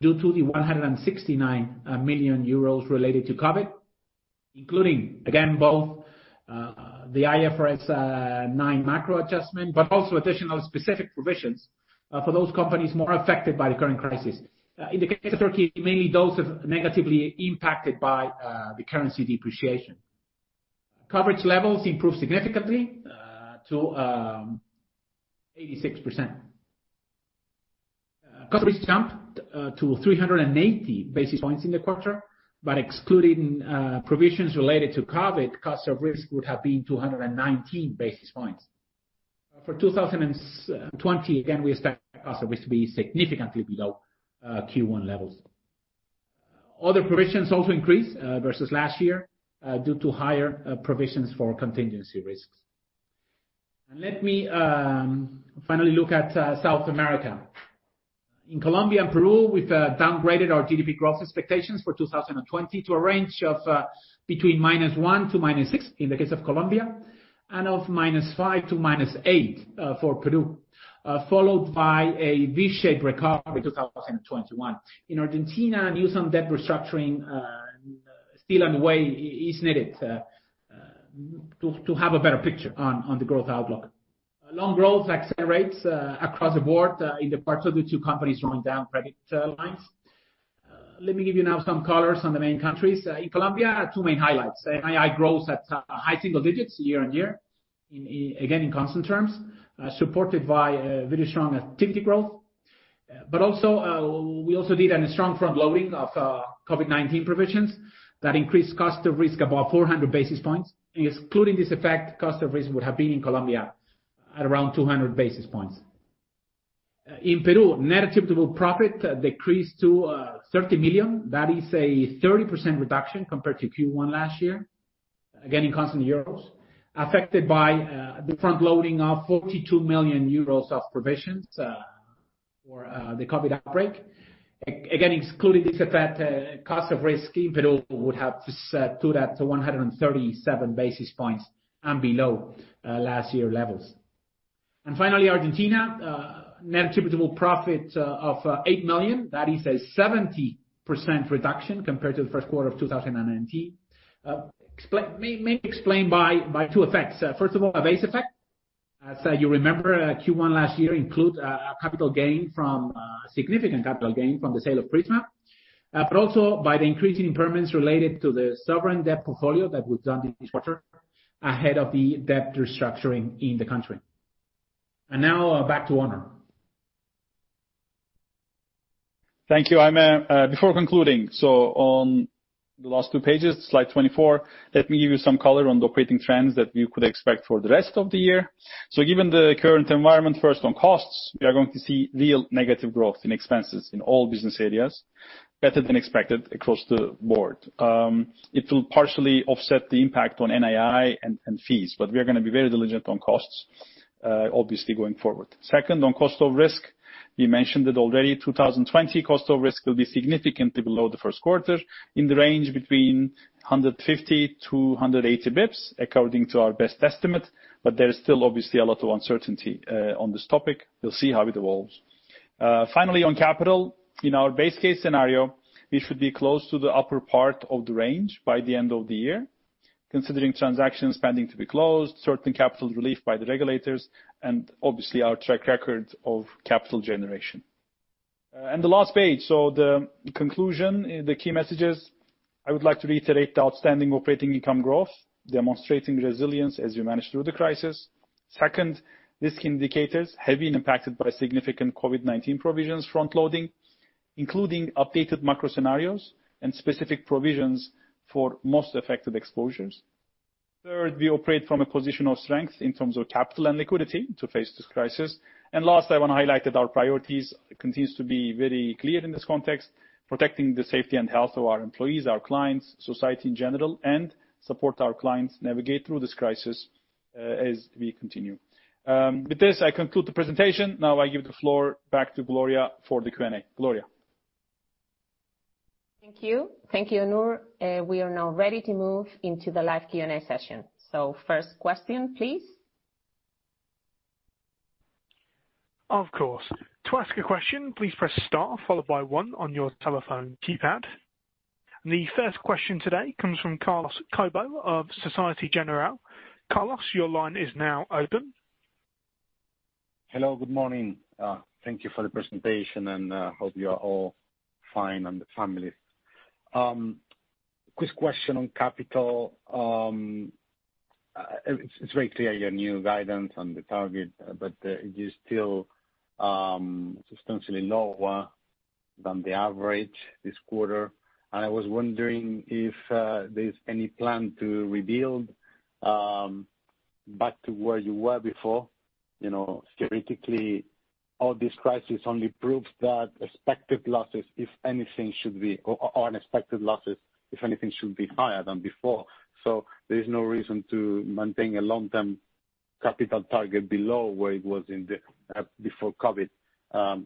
due to the 169 million euros related to COVID, including, again, both the IFRS 9 macro adjustment, but also additional specific provisions for those companies more affected by the current crisis. In the case of Turkey, mainly those negatively impacted by the currency depreciation. Coverage levels improved significantly to 86%. Coverage jumped to 380 basis points in the quarter, but excluding provisions related to COVID, cost of risk would have been 219 basis points. For 2020, again, we expect cost of risk to be significantly below Q1 levels. Other provisions also increased versus last year due to higher provisions for contingency risks. Let me finally look at South America. In Colombia and Peru, we've downgraded our GDP growth expectations for 2020 to a range of between -1% to -6%, in the case of Colombia, and of -5% to -8% for Peru, followed by a V-shaped recovery in 2021. In Argentina, news on debt restructuring still on the way, is needed to have a better picture on the growth outlook. Loan growth accelerates across the board in the parts of the two companies drawing down credit lines. Let me give you now some colors on the main countries. In Colombia, two main highlights. NII grows at high single digits year on year, again, in constant terms, supported by very strong activity growth. We also did a strong front loading of COVID-19 provisions that increased cost of risk above 400 basis points. Excluding this effect, cost of risk would have been in Colombia at around 200 basis points. In Peru, net attributable profit decreased to 30 million. That is a 30% reduction compared to Q1 last year. Again, in constant euros, affected by the front-loading of 42 million euros of provisions, for the COVID outbreak. Excluding this effect, cost of risk in Peru would have stood at 137 basis points and below last year levels. Finally, Argentina. Net attributable profit of 8 million, that is a 70% reduction compared to the first quarter of 2019. Mainly explained by two effects. First of all, a base effect. As you remember, Q1 last year includes a significant capital gain from the sale of Prisma, also by the increasing impairments related to the sovereign debt portfolio that was done in this quarter ahead of the debt restructuring in the country. Now back to Onur. Thank you, Jaime. Before concluding, so on the last two pages, slide 24, let me give you some color on the operating trends that we could expect for the rest of the year. Given the current environment, first on costs, we are going to see real negative growth in expenses in all business areas, better than expected across the board. It will partially offset the impact on NII and fees, but we are going to be very diligent on costs, obviously going forward. Second, on cost of risk, we mentioned it already, 2020 cost of risk will be significantly below the first quarter, in the range between 150 to 180 basis points, according to our best estimate, but there is still obviously a lot of uncertainty on this topic. We'll see how it evolves. Finally, on capital. In our base case scenario, we should be close to the upper part of the range by the end of the year, considering transactions pending to be closed, certain capital relief by the regulators, and obviously our track record of capital generation. The last page. The conclusion, the key messages, I would like to reiterate the outstanding operating income growth, demonstrating resilience as we manage through the crisis. Second, risk indicators have been impacted by significant COVID-19 provisions front-loading, including updated macro scenarios and specific provisions for most affected exposures. Third, we operate from a position of strength in terms of capital and liquidity to face this crisis. Last, I want to highlight that our priorities continue to be very clear in this context, protecting the safety and health of our employees, our clients, society in general, and support our clients navigate through this crisis, as we continue. With this, I conclude the presentation. Now I give the floor back to Gloria for the Q&A. Gloria. Thank you. Thank you, Onur. We are now ready to move into the live Q&A session. First question please. Of course. To ask a question, please press star followed by one on your telephone keypad. The first question today comes from Carlos Cobo of Société Générale. Carlos, your line is now open. Hello, good morning. Thank you for the presentation, and hope you're all fine, and the families. Quick question on capital. It's very clear your new guidance on the target, but it is still substantially lower than the average this quarter. I was wondering if there's any plan to rebuild back to where you were before. Theoretically, all this crisis only proves that expected losses, if anything, or unexpected losses, if anything, should be higher than before. There is no reason to maintain a long-term capital target below where it was before COVID. I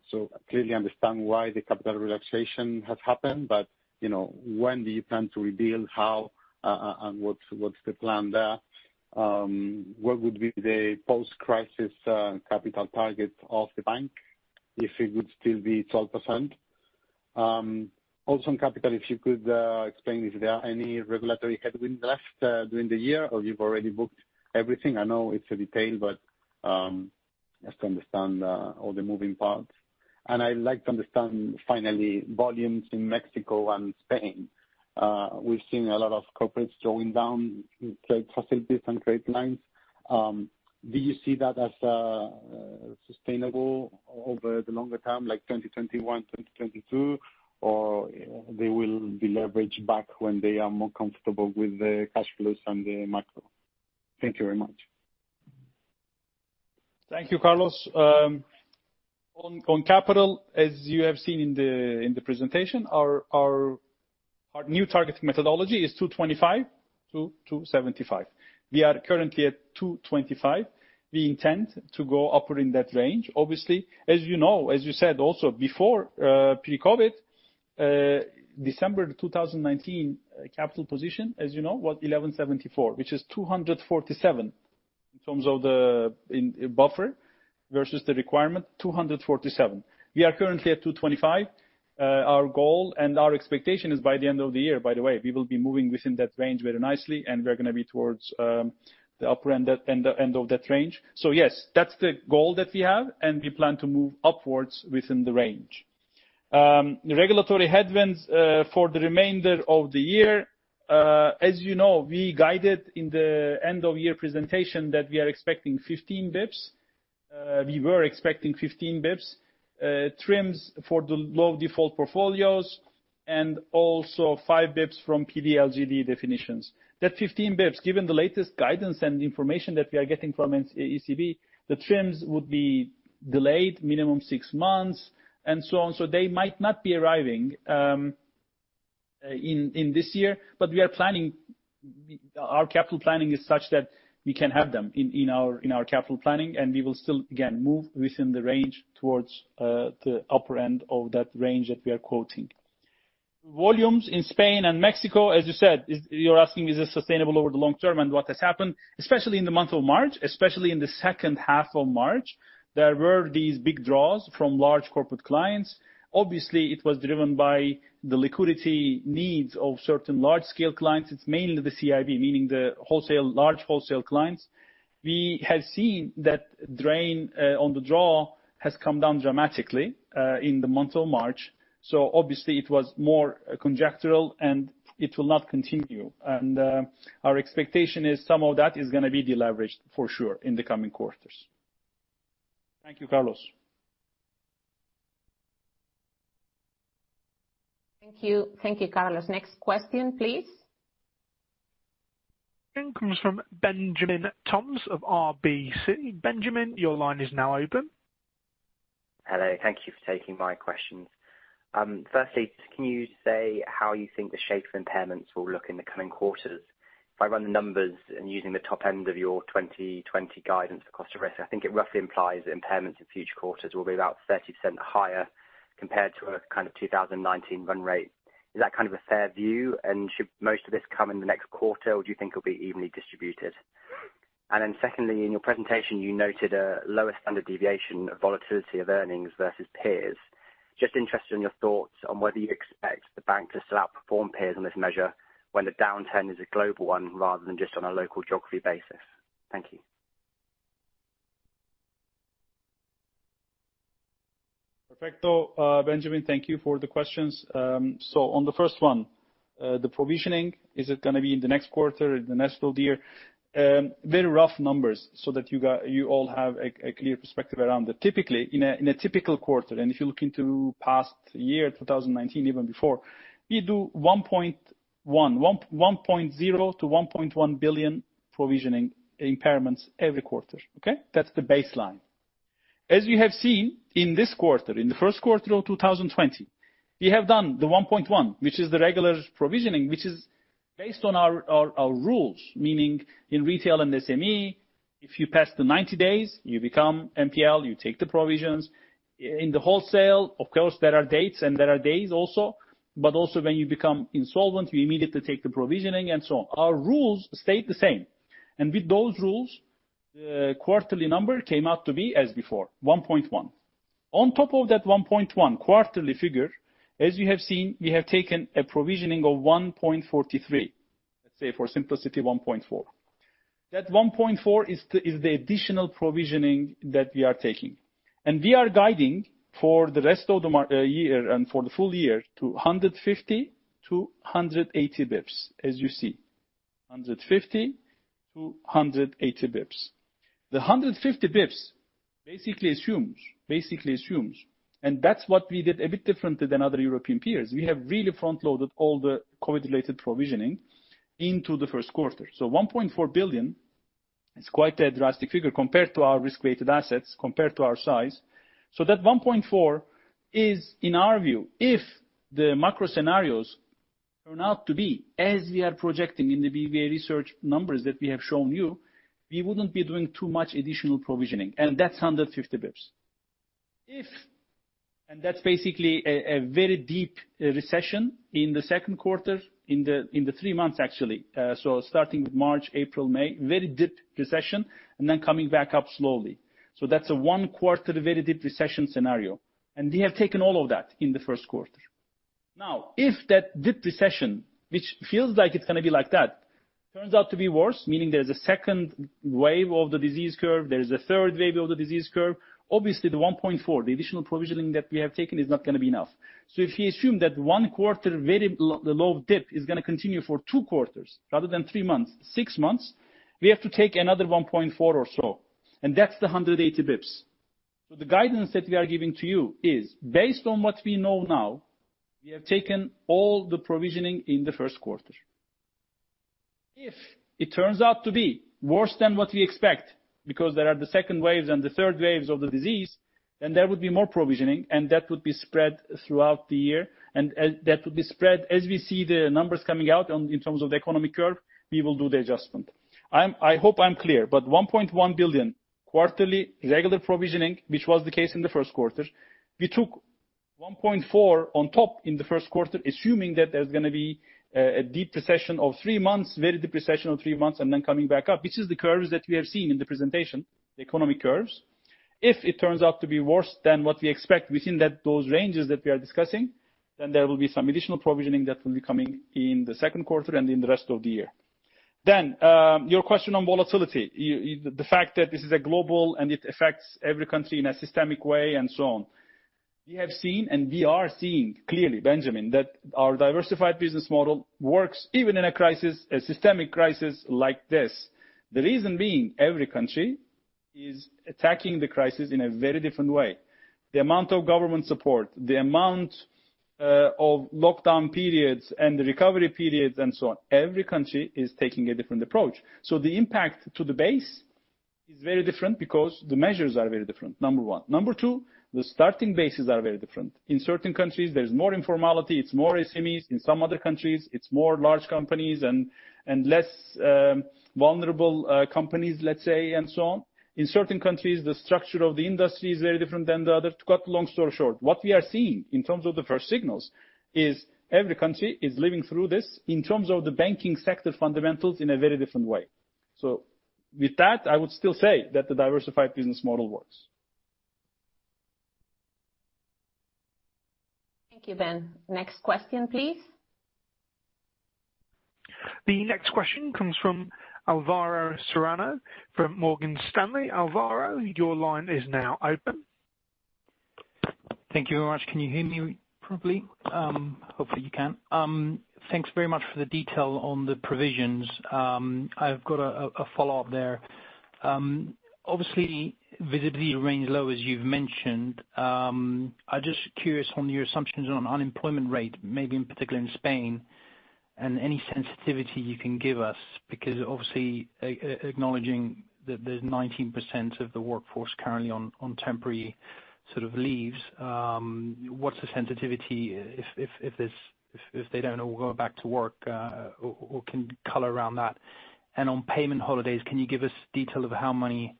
clearly understand why the capital relaxation has happened. When do you plan to rebuild, how, and what's the plan there? What would be the post-crisis capital target of the bank, if it would still be 12%? On capital, if you could explain if there are any regulatory headwind left during the year, or you've already booked everything. I know it's a detail, but just to understand all the moving parts. I'd like to understand, finally, volumes in Mexico and Spain. We've seen a lot of corporates drawing down trade facilities and trade lines. Do you see that as sustainable over the longer term, like 2021, 2022? They will be leveraged back when they are more comfortable with the cash flows and the macro? Thank you very much. Thank you, Carlos. On capital, as you have seen in the presentation, our new targeting methodology is 225 to 275. We are currently at 225. We intend to go upper in that range. Obviously, as you know, as you said also, before, pre-COVID, December 2019 capital position, as you know, was 1,174, which is 247 in terms of the buffer versus the requirement, 247. We are currently at 225. Our goal and our expectation is by the end of the year, by the way, we will be moving within that range very nicely and we're going to be towards the upper end of that range. Yes, that's the goal that we have, and we plan to move upwards within the range. Regulatory headwinds for the remainder of the year. As you know, we guided in the end of year presentation that we are expecting 15 basis points. We were expecting 15 basis points trims for the low default portfolios and also 5 basis points from PD LGD definitions. That 15 basis points, given the latest guidance and information that we are getting from ECB, the trims would be delayed minimum six months and so on. They might not be arriving in this year, but our capital planning is such that we can have them in our capital planning, and we will still, again, move within the range towards the upper end of that range that we are quoting. Volumes in Spain and Mexico, as you said, you're asking is this sustainable over the long term and what has happened, especially in the month of March, especially in the second half of March, there were these big draws from large corporate clients. Obviously, it was driven by the liquidity needs of certain large-scale clients. It's mainly the CIB, meaning the large wholesale clients. We have seen that drain on the draw has come down dramatically in the month of March, so obviously it was more conjectural and it will not continue. Our expectation is some of that is going to be deleveraged for sure in the coming quarters. Thank you, Carlos. Thank you, Carlos. Next question, please. Next comes from Benjamin Toms of RBC. Benjamin, your line is now open. Hello. Thank you for taking my questions. Firstly, can you say how you think the shape of impairments will look in the coming quarters? If I run the numbers and using the top end of your 2020 guidance cost of risk, I think it roughly implies that impairments in future quarters will be about 30% higher compared to a 2019 run rate. Is that a fair view, and should most of this come in the next quarter, or do you think it'll be evenly distributed? Secondly, in your presentation you noted a lower standard deviation of volatility of earnings versus peers. Just interested in your thoughts on whether you expect the bank to still outperform peers on this measure when the downturn is a global one rather than just on a local geography basis. Thank you. Perfecto. Benjamin, thank you for the questions. On the first one, the provisioning, is it going to be in the next quarter or the next full year? Very rough numbers so that you all have a clear perspective around it. Typically, in a typical quarter, and if you look into past year, 2019, even before, we do 1.1 billion, 1.0 billion to 1.1 billion provisioning impairments every quarter. Okay? That's the baseline. As we have seen in this quarter, in the first quarter of 2020, we have done the 1.1 billion, which is the regular provisioning, which is based on our rules. Meaning in retail and SME, if you pass the 90 days, you become NPL, you take the provisions. In the wholesale, of course, there are dates and there are days also, but also when you become insolvent, we immediately take the provisioning and so on. Our rules stayed the same. With those rules, the quarterly number came out to be as before, 1.1 billion. On top of that 1.1 billion quarterly figure, as you have seen, we have taken a provisioning of 1.43 billion. Let's say for simplicity, 1.4 billion. That 1.4 billion is the additional provisioning that we are taking. We are guiding for the rest of the year and for the full year to 150 to 180 basis points, as you see. 150 to 180 basis points. The 150 basis points basically assumes, and that's what we did a bit differently than other European peers. We have really front-loaded all the COVID-related provisioning into the first quarter. 1.4 billion is quite a drastic figure compared to our risk-rated assets, compared to our size. That 1.4 billion is, in our view, if the macro scenarios turn out to be as we are projecting in the BBVA Research numbers that we have shown you, we wouldn't be doing too much additional provisioning, and that's 150 basis points. That's basically a very deep recession in the second quarter, in the three months, actually, starting with March, April, May, very deep recession, and then coming back up slowly. That's a one-quarter very deep recession scenario. We have taken all of that in the first quarter. If that deep recession, which feels like it's going to be like that, turns out to be worse, meaning there is a second wave of the disease curve, there is a third wave of the disease curve, obviously the 1.4 billion, the additional provisioning that we have taken is not going to be enough. If we assume that one quarter very low dip is going to continue for two quarters rather than three months, six months, we have to take another 1.4 billion or so, and that's the 180 basis points. The guidance that we are giving to you is based on what we know now, we have taken all the provisioning in the first quarter. If it turns out to be worse than what we expect because there are the second waves and the third waves of the disease, then there would be more provisioning, and that would be spread throughout the year. That would be spread as we see the numbers coming out in terms of the economy curve, we will do the adjustment. I hope I'm clear, but 1.1 billion quarterly regular provisioning, which was the case in the first quarter, we took 1.4 billion on top in the first quarter, assuming that there's going to be a deep recession of three months, very deep recession of three months, and then coming back up, which is the curves that we have seen in the presentation, the economy curves. If it turns out to be worse than what we expect within those ranges that we are discussing, then there will be some additional provisioning that will be coming in the second quarter and in the rest of the year. Your question on volatility. The fact that this is global and it affects every country in a systemic way and so on. We have seen, and we are seeing clearly, Benjamin, that our diversified business model works even in a crisis, a systemic crisis like this. The reason being, every country is attacking the crisis in a very different way. The amount of government support, the amount of lockdown periods and the recovery periods, and so on, every country is taking a different approach. The impact to the basis is very different because the measures are very different, number one. Number two, the starting bases are very different. In certain countries, there's more informality, it's more SMEs. In some other countries, it's more large companies and less vulnerable companies, let's say, and so on. In certain countries, the structure of the industry is very different than the other. To cut long story short, what we are seeing in terms of the first signals is every country is living through this in terms of the banking sector fundamentals in a very different way. With that, I would still say that the diversified business model works. Thank you, Ben. Next question, please. The next question comes from Alvaro Serrano from Morgan Stanley. Alvaro, your line is now open. Thank you very much. Can you hear me properly? Hopefully, you can. Thanks very much for the detail on the provisions. I've got a follow-up there. Obviously, visibility remains low, as you've mentioned. I'm just curious on your assumptions on unemployment rate, maybe in particular in Spain, and any sensitivity you can give us, because obviously, acknowledging that there's 19% of the workforce currently on temporary leaves. What's the sensitivity if they don't all go back to work? What can color around that? On payment holidays, can you give us detail of how many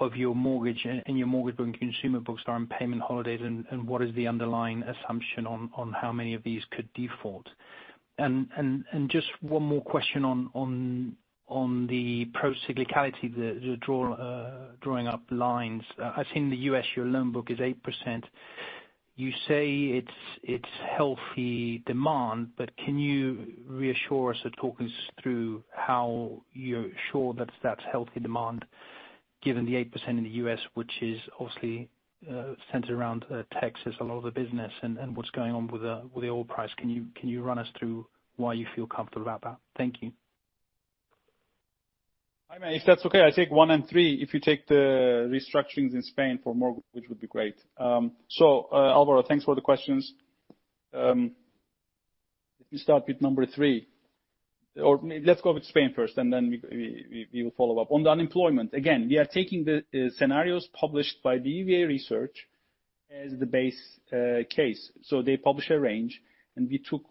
of your mortgage in your mortgage bank consumer books are on payment holidays, and what is the underlying assumption on how many of these could default? Just one more question on the pro-cyclicality, the drawing up lines. I've seen the U.S., your loan book is 8%. You say it's healthy demand, but can you reassure us or talk us through how you're sure that that's healthy demand given the 8% in the U.S., which is obviously centered around Texas, a lot of the business and what's going on with the oil price. Can you run us through why you feel comfortable about that? Thank you. Jaime, if that's okay, I take one and three. If you take the restructurings in Spain for Morgan, which would be great. Alvaro, thanks for the questions. Let me start with number three. Let's go with Spain first, and then we will follow up. On the unemployment, again, we are taking the scenarios published by BBVA Research as the base case. They publish a range, and we took,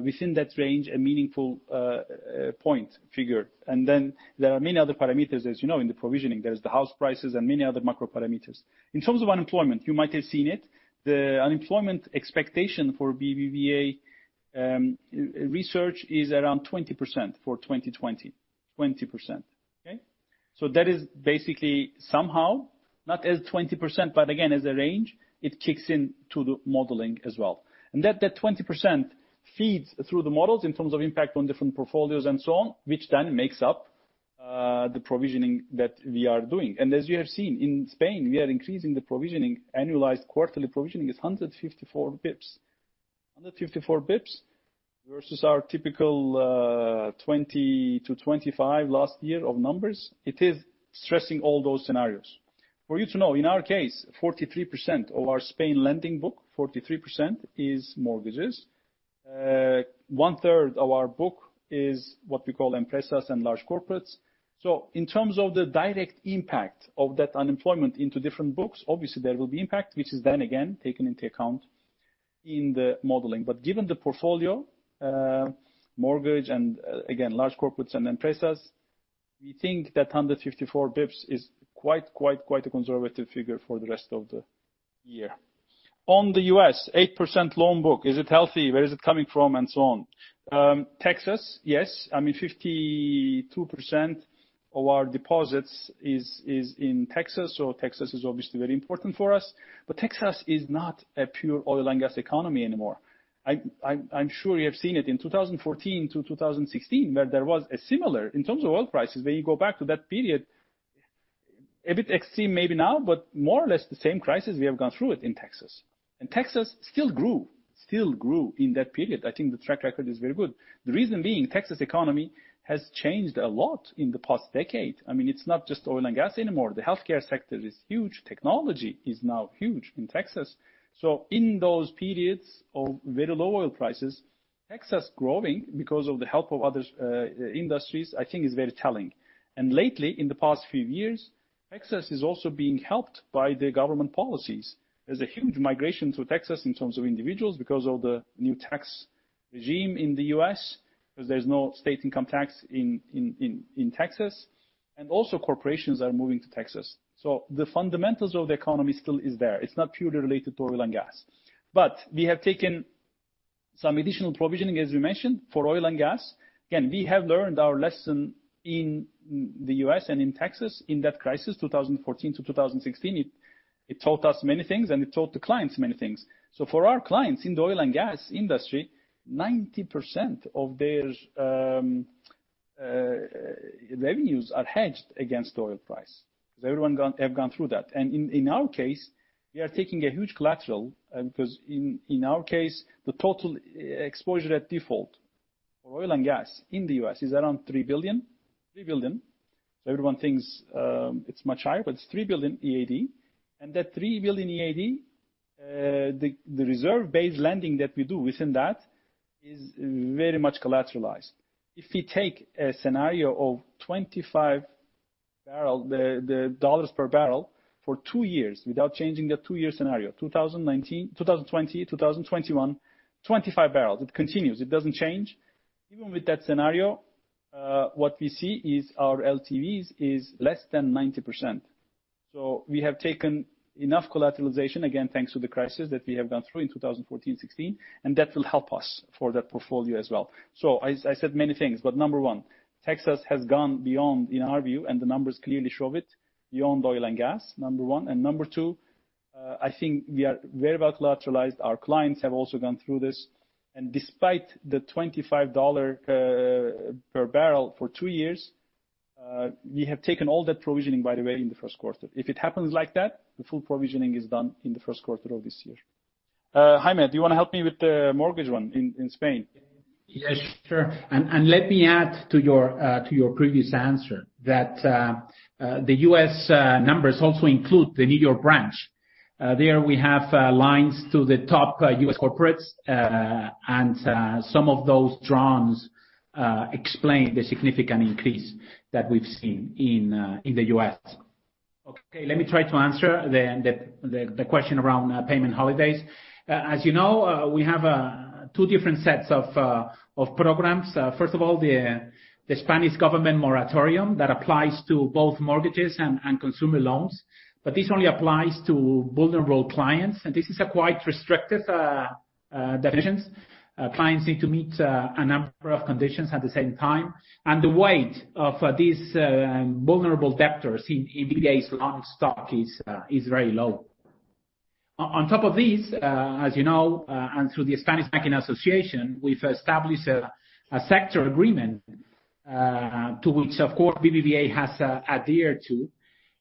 within that range, a meaningful point figure. Then there are many other parameters, as you know, in the provisioning. There is the house prices and many other macro parameters. In terms of unemployment, you might have seen it, the unemployment expectation for BBVA Research is around 20% for 2020. 20%, okay? That is basically somehow, not as 20%, but again, as a range, it kicks in to the modeling as well. That 20% feeds through the models in terms of impact on different portfolios and so on, which then makes up the provisioning that we are doing. As you have seen in Spain, we are increasing the provisioning, annualized quarterly provisioning is 154 basis points. 154 basis points versus our typical 20 basis points to 25 basis points last year of numbers. It is stressing all those scenarios. For you to know, in our case, 43% of our Spain lending book, 43% is mortgages. One third of our book is what we call empresas and large corporates. In terms of the direct impact of that unemployment into different books, obviously there will be impact, which is then again, taken into account in the modeling. Given the portfolio, mortgage and again, large corporates and empresas, we think that 154 basis points is quite a conservative figure for the rest of the year. On the U.S., 8% loan book, is it healthy? Where is it coming from? So on. Texas, yes. I mean, 52% of our deposits is in Texas is obviously very important for us. Texas is not a pure oil and gas economy anymore. I'm sure you have seen it in 2014 to 2016, where there was a similar, in terms of oil prices, when you go back to that period, a bit extreme maybe now, but more or less the same crisis we have gone through it in Texas. Texas still grew. Still grew in that period. I think the track record is very good. The reason being, Texas economy has changed a lot in the past decade. I mean, it's not just oil and gas anymore. The healthcare sector is huge. Technology is now huge in Texas. In those periods of very low oil prices, Texas growing because of the help of other industries, I think is very telling. Lately, in the past few years, Texas is also being helped by the government policies. There's a huge migration to Texas in terms of individuals because of the new tax regime in the U.S., because there's no state income tax in Texas. Also corporations are moving to Texas. The fundamentals of the economy still is there. It's not purely related to oil and gas. We have taken some additional provisioning, as we mentioned, for oil and gas. We have learned our lesson in the U.S. and in Texas in that crisis, 2014 to 2016. It taught us many things, and it taught the clients many things. For our clients in the oil and gas industry, 90% of their revenues are hedged against oil price, because everyone have gone through that. In our case, we are taking a huge collateral because in our case, the total exposure at default for oil and gas in the U.S. is around 3 billion. 3 billion. Everyone thinks it's much higher, but it's 3 billion. The reserve-based lending that we do within that is very much collateralized. If we take a scenario of $25 per barrel for two years without changing the two-year scenario, 2019, 2020, 2021, 25 barrels. It continues, it doesn't change. Even with that scenario, what we see is our LTVs is less than 90%. We have taken enough collateralization, again, thanks to the crisis that we have gone through in 2014, 2016, and that will help us for that portfolio as well. I said many things, but number one, Texas has gone beyond, in our view, and the numbers clearly show it, beyond oil and gas, number one. Number two, I think we are very well collateralized. Our clients have also gone through this, and despite the EUR 25 per barrel for two years, we have taken all that provisioning, by the way, in the first quarter. If it happens like that, the full provisioning is done in the first quarter of this year. Jaime, do you want to help me with the mortgage one in Spain? Yes, sure. Let me add to your previous answer that the U.S. numbers also include the New York branch. There we have lines to the top U.S. corporates, and some of those draws explain the significant increase that we've seen in the U.S. Okay, let me try to answer the question around payment holidays. As you know, we have two different sets of programs. First of all, the Spanish government moratorium that applies to both mortgages and consumer loans, but this only applies to vulnerable clients, and this is a quite restrictive definition. Clients need to meet a number of conditions at the same time, and the weight of these vulnerable debtors in BBVA's loan stock is very low. As you know, and through the Spanish Banking Association, we've established a sector agreement, to which, of course, BBVA has adhered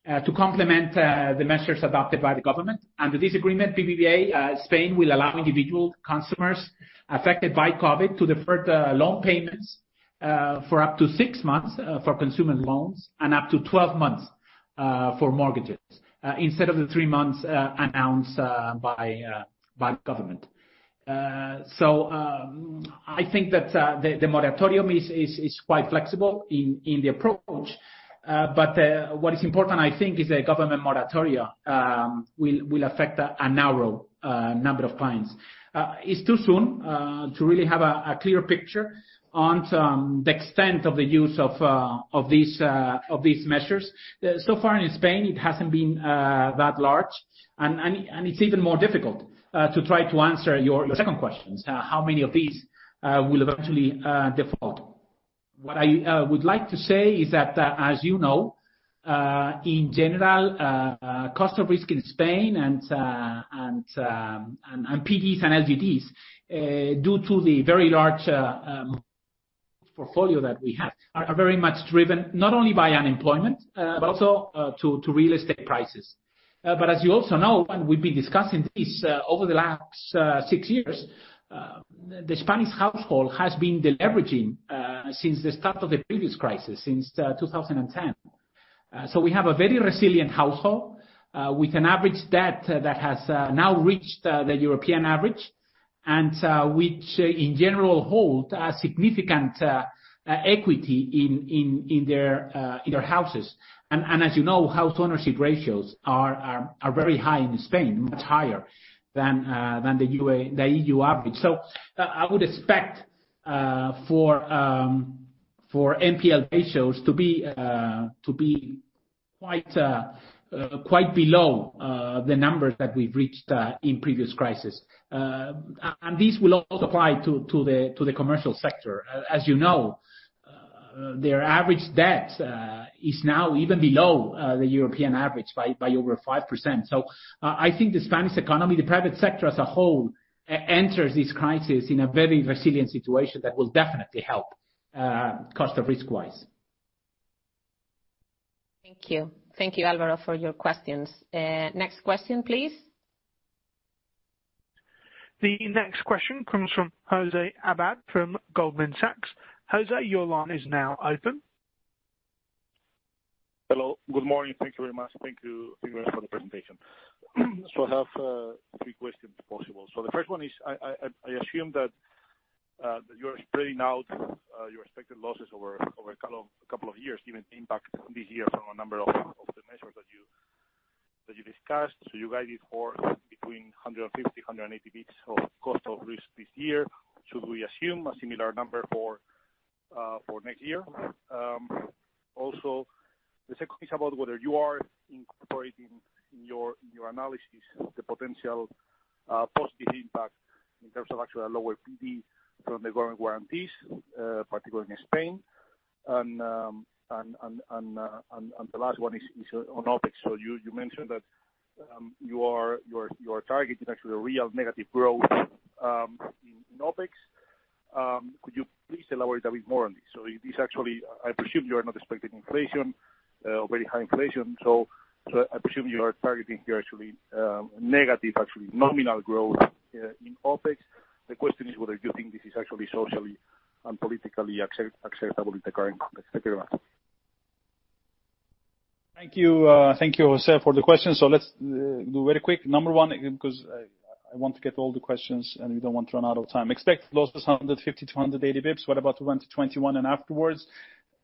to complement the measures adopted by the government. Under this agreement, BBVA Spain will allow individual consumers affected by COVID to defer loan payments for up to six months for consumer loans and up to 12 months for mortgages, instead of the three months announced by government. I think that the moratorium is quite flexible in the approach. What is important, I think, is the government moratoria will affect a narrow number of clients. It's too soon to really have a clear picture on the extent of the use of these measures. So far in Spain, it hasn't been that large, and it's even more difficult to try to answer your second question, how many of these will eventually default? What I would like to say is that, as you know, in general, cost of risk in Spain and PDs and LGDs, due to the very large portfolio that we have, are very much driven, not only by unemployment, but also to real estate prices. As you also know, and we've been discussing this over the last six years, the Spanish household has been de-leveraging since the start of the previous crisis, since 2010. We have a very resilient household with an average debt that has now reached the European average, and which, in general, hold a significant equity in their houses. As you know, house ownership ratios are very high in Spain, much higher than the EU average. I would expect for NPL ratios to be quite below the numbers that we've reached in previous crisis. This will also apply to the commercial sector. As you know, their average debt is now even below the European average by over 5%. I think the Spanish economy, the private sector as a whole, enters this crisis in a very resilient situation that will definitely help cost of risk-wise. Thank you. Thank you, Alvaro, for your questions. Next question, please. The next question comes from José Abad from Goldman Sachs. José, your line is now open. Hello. Good morning. Thank you very much. Thank you for the presentation. I have three questions, if possible. The first one is, I assume that you're spreading out your expected losses over a couple of years, given the impact this year from a number of the measures that you discussed. You guided for between 150-180 basis points of cost of risk this year. Should we assume a similar number for next year? The second is about whether you are incorporating in your analysis the potential positive impact in terms of actually a lower PD from the government guarantees, particularly in Spain. The last one is on OpEx. You mentioned that your target is actually a real negative growth in OpEx. Could you please elaborate a bit more on this? This actually, I presume you are not expecting inflation, very high inflation. I presume you are targeting here actually negative, actually nominal growth in OpEx. The question is whether you think this is actually socially and politically acceptable in the current context. Thank you very much. Thank you, José, for the question. Let's do very quick. Number one, because I want to get all the questions, and we don't want to run out of time. Expect losses 150 basis points-180 basis points. What about 2021 and afterwards?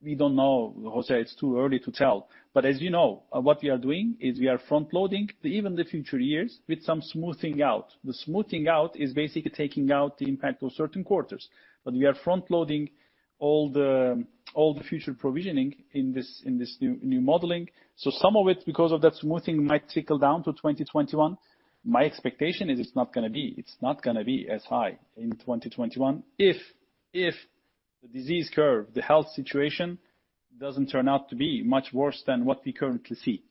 We don't know, José. It's too early to tell. As you know, what we are doing is we are front-loading even the future years with some smoothing out. The smoothing out is basically taking out the impact of certain quarters. We are front-loading all the future provisioning in this new modeling. Some of it, because of that smoothing, might trickle down to 2021. My expectation is it's not going to be as high in 2021, if the disease curve, the health situation doesn't turn out to be much worse than what we currently see.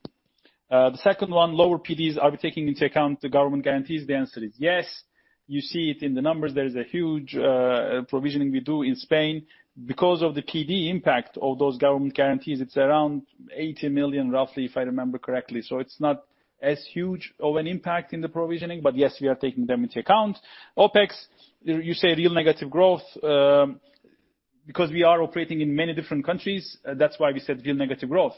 The second one, lower PDs, are we taking into account the government guarantees? The answer is yes. You see it in the numbers. There is a huge provisioning we do in Spain. Because of the PD impact of those government guarantees, it's around 80 million, roughly, if I remember correctly. It's not as huge of an impact in the provisioning, but yes, we are taking them into account. OPEX, you say real negative growth. We are operating in many different countries, that's why we said real negative growth.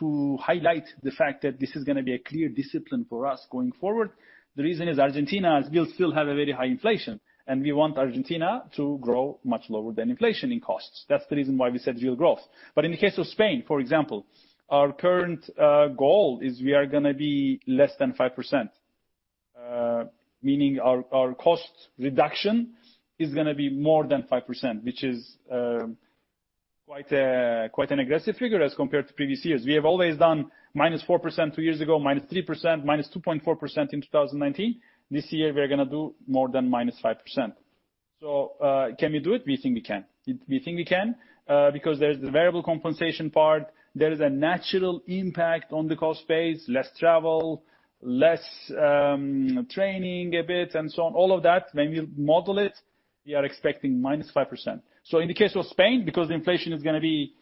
To highlight the fact that this is going to be a clear discipline for us going forward. The reason is Argentina will still have a very high inflation, and we want Argentina to grow much lower than inflation in costs. That's the reason why we said real growth. In the case of Spain, for example, our current goal is we are going to be less than 5%, meaning our cost reduction is going to be more than 5%, which is quite an aggressive figure as compared to previous years. We have always done -4% two years ago, -3%, -2.4% in 2019. This year, we're going to do more than -5%. Can we do it? We think we can. We think we can, because there's the variable compensation part. There is a natural impact on the cost base, less travel, less training a bit, and so on. All of that, when you model it, we are expecting -5%. In the case of Spain, because inflation is going to be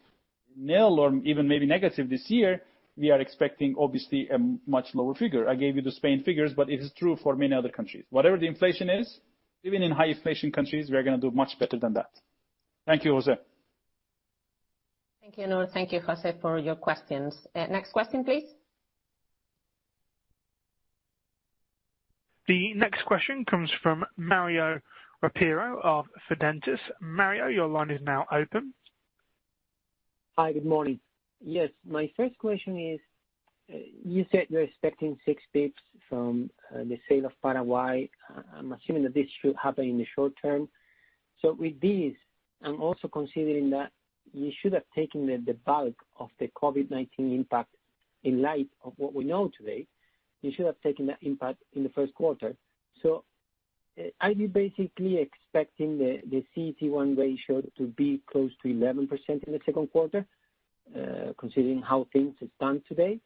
nil or even maybe negative this year, we are expecting, obviously, a much lower figure. I gave you the Spain figures, but it is true for many other countries. Whatever the inflation is, even in high inflation countries, we are going to do much better than that. Thank you, José. Thank you, Onur. Thank you, José, for your questions. Next question, please. The next question comes from Mario Ropero of Fidentiis. Mario, your line is now open. Hi. Good morning. Yes, my first question is, you said you're expecting 6 basis points from the sale of Paraguay. I am assuming that this should happen in the short term. With this, I am also considering that you should have taken the bulk of the COVID-19 impact in light of what we know today. You should have taken that impact in the first quarter. Are you basically expecting the CET1 ratio to be close to 11% in the second quarter, considering how things stand today?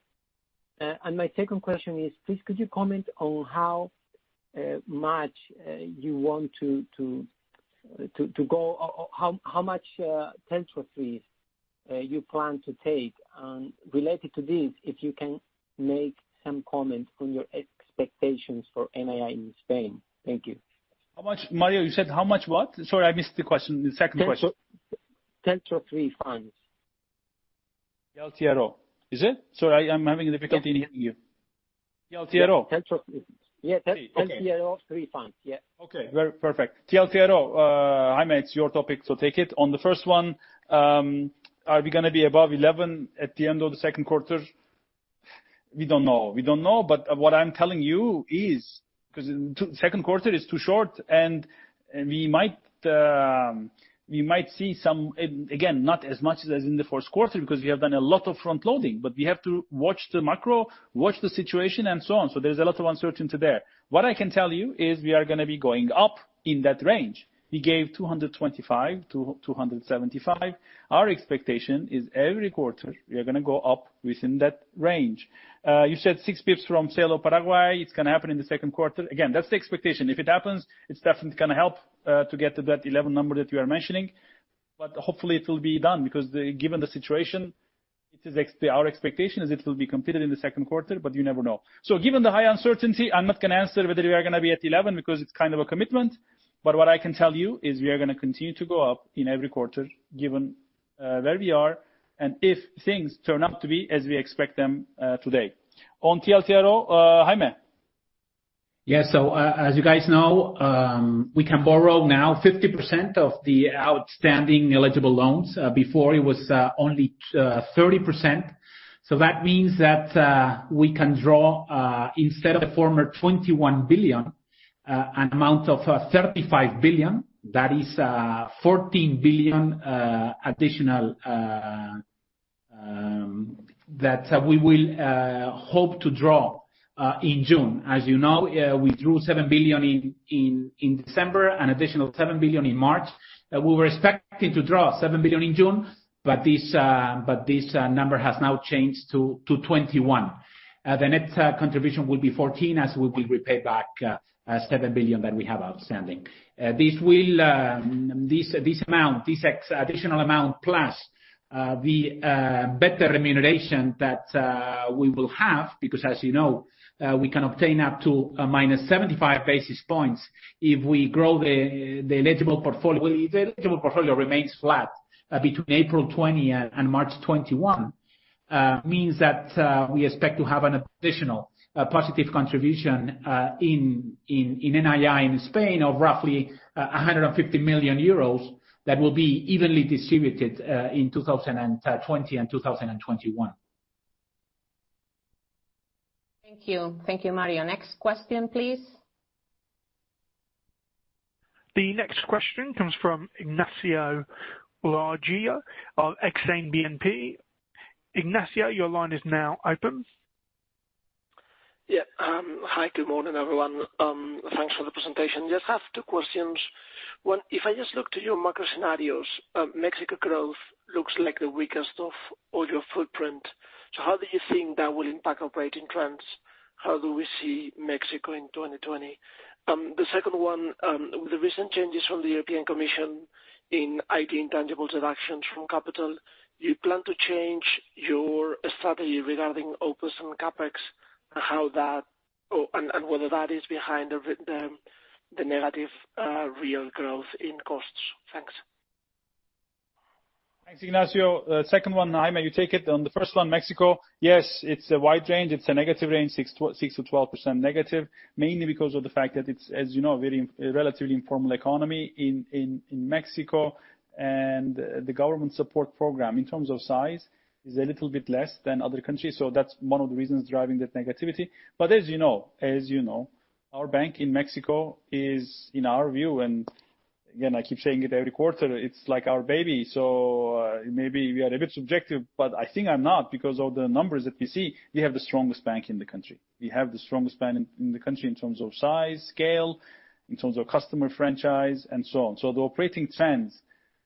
My second question is, please, could you comment on how much TLTRO III you plan to take, and related to this, if you can make some comment on your expectations for NII in Spain. Thank you. Mario, you said how much what? Sorry, I missed the second question. TLTRO III funds. TLTRO. Is it? Sorry, I'm having a difficulty in hearing you. TLTRO? TLTRO III funds. Yeah. Okay. Perfect. TLTRO, Jaime, it's your topic, so take it. On the first one, are we going to be above 11% at the end of the second quarter? We don't know. What I'm telling you is, because second quarter is too short, and we might see some, again, not as much as in the first quarter because we have done a lot of front loading, but we have to watch the macro, watch the situation, and so on. There's a lot of uncertainty there. What I can tell you is we are going to be going up in that range. We gave 225 to 275. Our expectation is every quarter, we are going to go up within that range. You said 6 basis points from sale of Paraguay. It's going to happen in the second quarter. Again, that's the expectation. If it happens, it is definitely going to help to get to that 11% that you are mentioning. Hopefully it will be done, because given the situation, our expectation is it will be completed in the second quarter, but you never know. Given the high uncertainty, I am not going to answer whether we are going to be at 11% because it is kind of a commitment. What I can tell you is we are going to continue to go up in every quarter, given where we are and if things turn out to be as we expect them today. On TLTRO, Jaime. As you guys know, we can borrow now 50% of the outstanding eligible loans. Before it was only 30%. That means that we can draw, instead of the former 21 billion, an amount of 35 billion. That is 14 billion additional that we will hope to draw in June. As you know, we drew 7 billion in December and additional 7 billion in March. We were expecting to draw 7 billion in June, this number has now changed to 21 billion. The next contribution will be 14 billion as we will repay back 7 billion that we have outstanding. This additional amount plus the better remuneration that we will have, because as you know, we can obtain up to a -75 basis points if we grow the eligible portfolio. The eligible portfolio remains flat between April 2020 and March 2021. Means that we expect to have an additional positive contribution in NII in Spain of roughly 150 million euros that will be evenly distributed in 2020 and 2021. Thank you. Thank you, Mario. Next question, please. The next question comes from Ignacio Ulargui of Exane BNP. Ignacio, your line is now open. Hi, good morning, everyone. Thanks for the presentation. Just have two questions. One, if I just look to your market scenarios, Mexico growth looks like the weakest of all your footprint. How do you think that will impact operating trends? How do we see Mexico in 2020? The second one, with the recent changes from the European Commission in IT intangibles and actions from capital, you plan to change your strategy regarding OpEx and CapEx, and whether that is behind the negative real growth in costs. Thanks. Thanks, Ignacio. Second one, Jaime, you take it. On the first one, Mexico, yes, it's a wide range, it's a negative range, 6%-12% negative, mainly because of the fact that it's, as you know, very relatively informal economy in Mexico. The government support program, in terms of size, is a little bit less than other countries. That's one of the reasons driving that negativity. As you know, our bank in Mexico is, in our view, and again, I keep saying it every quarter, it's like our baby. Maybe we are a bit subjective, but I think I'm not because of the numbers that we see. We have the strongest bank in the country. We have the strongest bank in the country in terms of size, scale, in terms of customer franchise, and so on. The operating trends,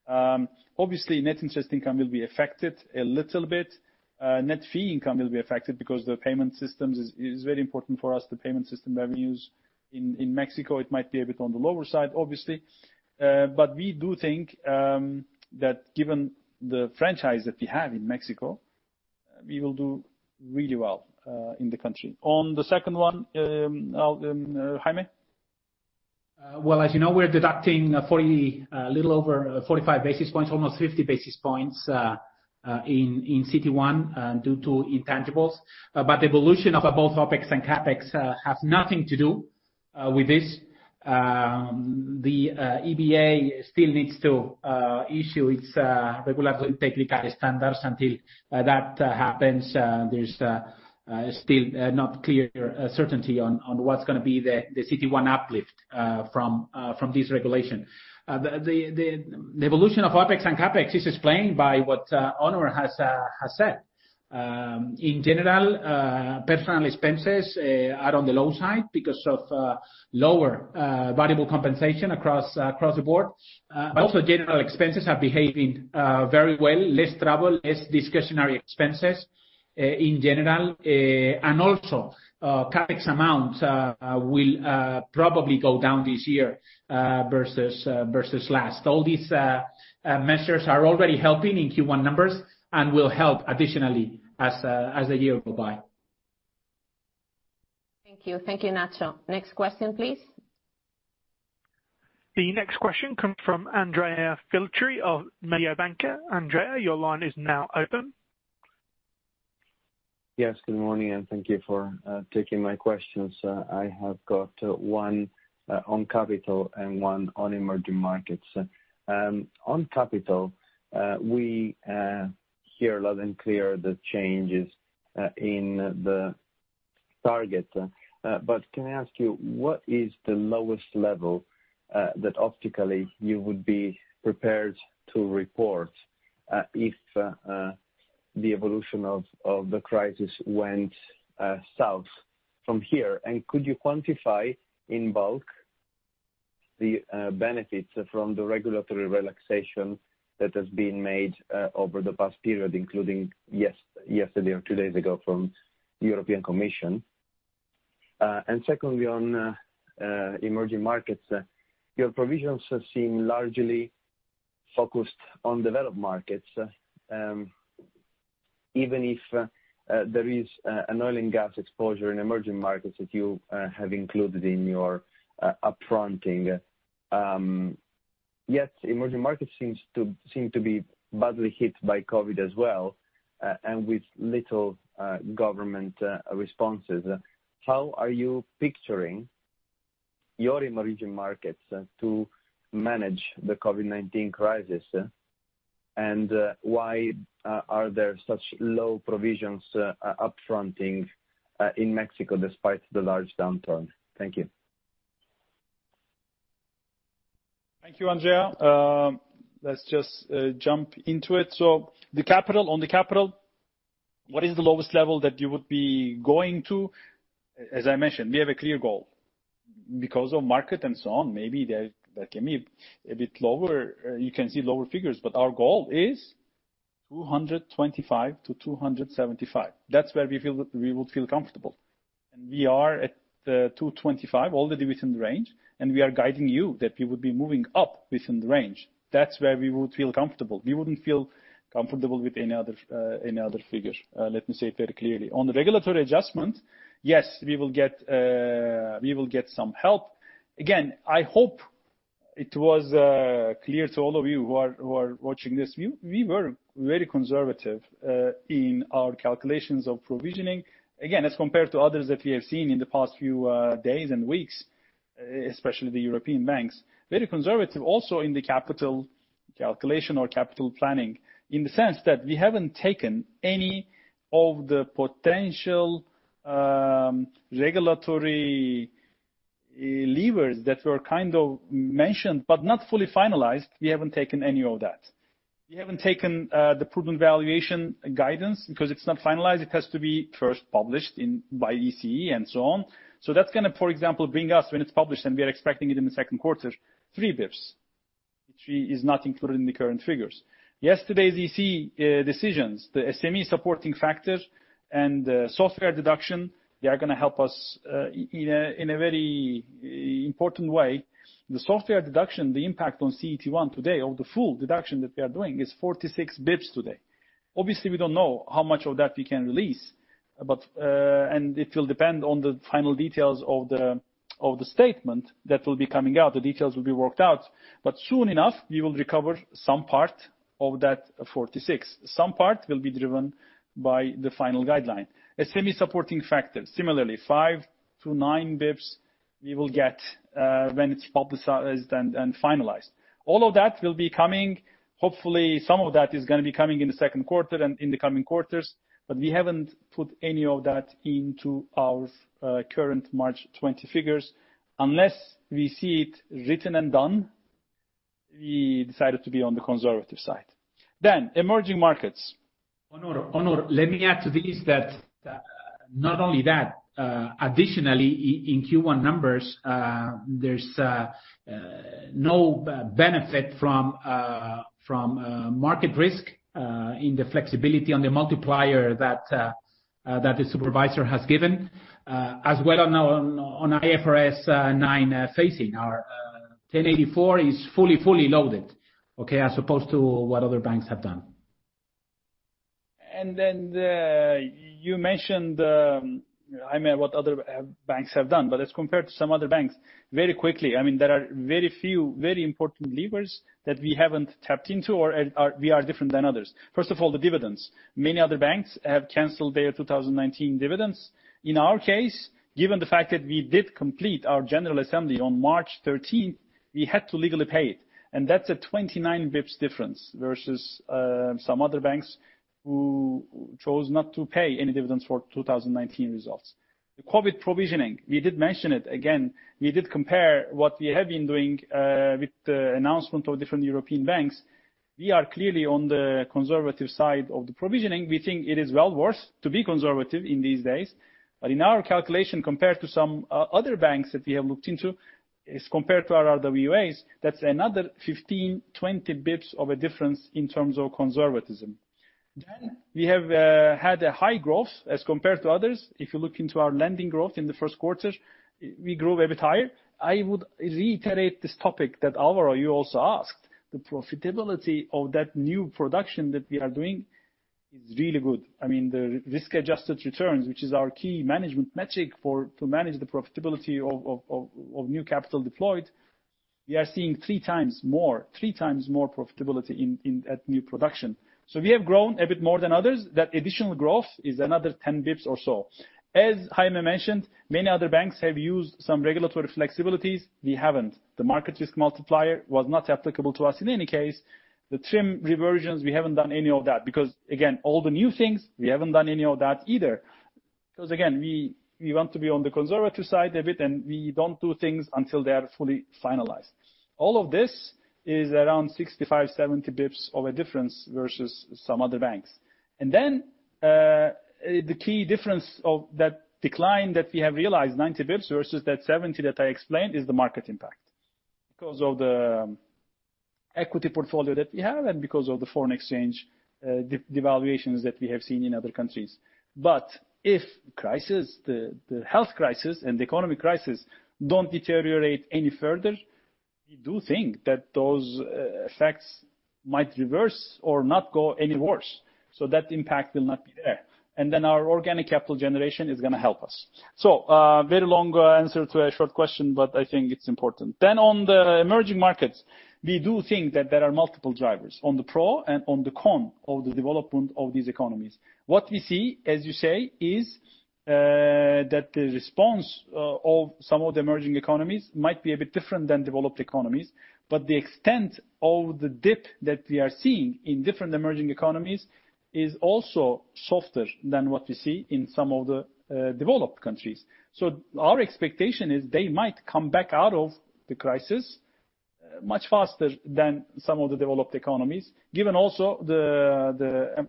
obviously net interest income will be affected a little bit. Net fee income will be affected because the payment systems is very important for us. The payment system revenues in Mexico, it might be a bit on the lower side, obviously. We do think that given the franchise that we have in Mexico, we will do really well in the country. On the second one, Jaime. Well, as you know, we're deducting a little over 45 basis points, almost 50 basis points, in CET1 due to intangibles. The evolution of both OpEx and CapEx has nothing to do with this. The EBA still needs to issue its regulatory technical standards. Until that happens, there's still not clear certainty on what's going to be the CET1 uplift from this regulation. The evolution of OpEx and CapEx is explained by what Onur has said. In general, personal expenses are on the low side because of lower variable compensation across the board. General expenses are behaving very well, less travel, less discretionary expenses in general. CapEx amount will probably go down this year versus last. All these measures are already helping in Q1 numbers and will help additionally as the year go by. Thank you. Thank you, Ignacio. Next question, please. The next question comes from Andrea Filtri of Mediobanca. Andrea, your line is now open. Yes, good morning. Thank you for taking my questions. I have got one on capital and one on emerging markets. On capital, we hear loud and clear the changes in the target. Can I ask you, what is the lowest level that optically you would be prepared to report if the evolution of the crisis went south from here? Could you quantify in bulk the benefits from the regulatory relaxation that has been made over the past period, including yesterday or two days ago from the European Commission? Secondly, on emerging markets, your provisions seem largely focused on developed markets, even if there is an oil and gas exposure in emerging markets that you have included in your up-fronting. Yet emerging markets seem to be badly hit by COVID as well, and with little government responses. How are you picturing your emerging markets to manage the COVID-19 crisis? Why are there such low provisions up-fronting in Mexico despite the large downturn? Thank you. Thank you, Andrea. On the capital, what is the lowest level that you would be going to? As I mentioned, we have a clear goal. Because of market and so on, maybe that can be a bit lower. You can see lower figures, but our goal is 225-275. That's where we feel we would feel comfortable. We are at 225 already within the range, and we are guiding you that we would be moving up within the range. That's where we would feel comfortable. We wouldn't feel comfortable with any other figure, let me say it very clearly. On the regulatory adjustment, yes, we will get some help. Again, I hope it was clear to all of you who are watching this, we were very conservative in our calculations of provisioning. Again, as compared to others that we have seen in the past few days and weeks, especially the European banks, very conservative also in the capital calculation or capital planning, in the sense that we haven't taken any of the potential regulatory levers that were kind of mentioned but not fully finalized. We haven't taken any of that. We haven't taken the prudent valuation guidance because it's not finalized. It has to be first published by EBA and so on. That's going to, for example, bring us, when it's published, and we are expecting it in the second quarter, 3 basis points, which is not included in the current figures. Yesterday's EBA decisions, the SME Supporting Factor and the software deduction, they are going to help us in a very important way. The software deduction, the impact on CET1 today of the full deduction that we are doing is 46 basis points today. Obviously, we don't know how much of that we can release, and it will depend on the final details of the statement that will be coming out. The details will be worked out. Soon enough, we will recover some part of that 46 basis points. Some part will be driven by the final guideline. A SME Supporting Factor, similarly, 5 to 9 basis points we will get when it's publicized and finalized. All of that will be coming. Hopefully, some of that is going to be coming in the second quarter and in the coming quarters, we haven't put any of that into our current March 20 figures. Unless we see it written and done, we decided to be on the conservative side. Emerging markets. Onur, let me add to this that not only that, additionally, in Q1 numbers, there's no benefit from market risk in the flexibility on the multiplier that the supervisor has given, as well on IFRS 9 phasing. Our 10.84% is fully loaded as opposed to what other banks have done. You mentioned, Jaime, what other banks have done, but as compared to some other banks, very quickly, there are very few, very important levers that we haven't tapped into or we are different than others. First of all, the dividends. Many other banks have canceled their 2019 dividends. In our case, given the fact that we did complete our general assembly on March 13th, we had to legally pay it, and that's a 29 basis points difference versus some other banks who chose not to pay any dividends for 2019 results. The COVID provisioning, we did mention it. Again, we did compare what we have been doing with the announcement of different European banks. We are clearly on the conservative side of the provisioning. We think it is well worse to be conservative in these days. In our calculation, compared to some other banks that we have looked into, as compared to our RWAs, that's another 15, 20 basis points of a difference in terms of conservatism. We have had a high growth as compared to others. If you look into our lending growth in the first quarter, we grew a bit higher. I would reiterate this topic that, Alvaro, you also asked. The profitability of that new production that we are doing is really good. The risk-adjusted returns, which is our key management metric to manage the profitability of new capital deployed, we are seeing three times more profitability at new production. We have grown a bit more than others. That additional growth is another 10 basis points or so. As Jaime mentioned, many other banks have used some regulatory flexibilities. We haven't. The market risk multiplier was not applicable to us in any case. The trim reversions, we haven't done any of that because, again, all the new things, we haven't done any of that either. Again, we want to be on the conservative side a bit, and we don't do things until they are fully finalized. All of this is around 65, 70 basis points of a difference versus some other banks. The key difference of that decline that we have realized, 90 basis points versus that 70 basis points that I explained, is the market impact because of the equity portfolio that we have and because of the foreign exchange devaluations that we have seen in other countries. If the health crisis and the economy crisis don't deteriorate any further, we do think that those effects might reverse or not go any worse, so that impact will not be there. Our organic capital generation is going to help us. A very long answer to a short question, but I think it's important. On the emerging markets, we do think that there are multiple drivers on the pro and on the con of the development of these economies. What we see, as you say, is that the response of some of the emerging economies might be a bit different than developed economies, but the extent of the dip that we are seeing in different emerging economies is also softer than what we see in some of the developed countries. Our expectation is they might come back out of the crisis much faster than some of the developed economies, given also the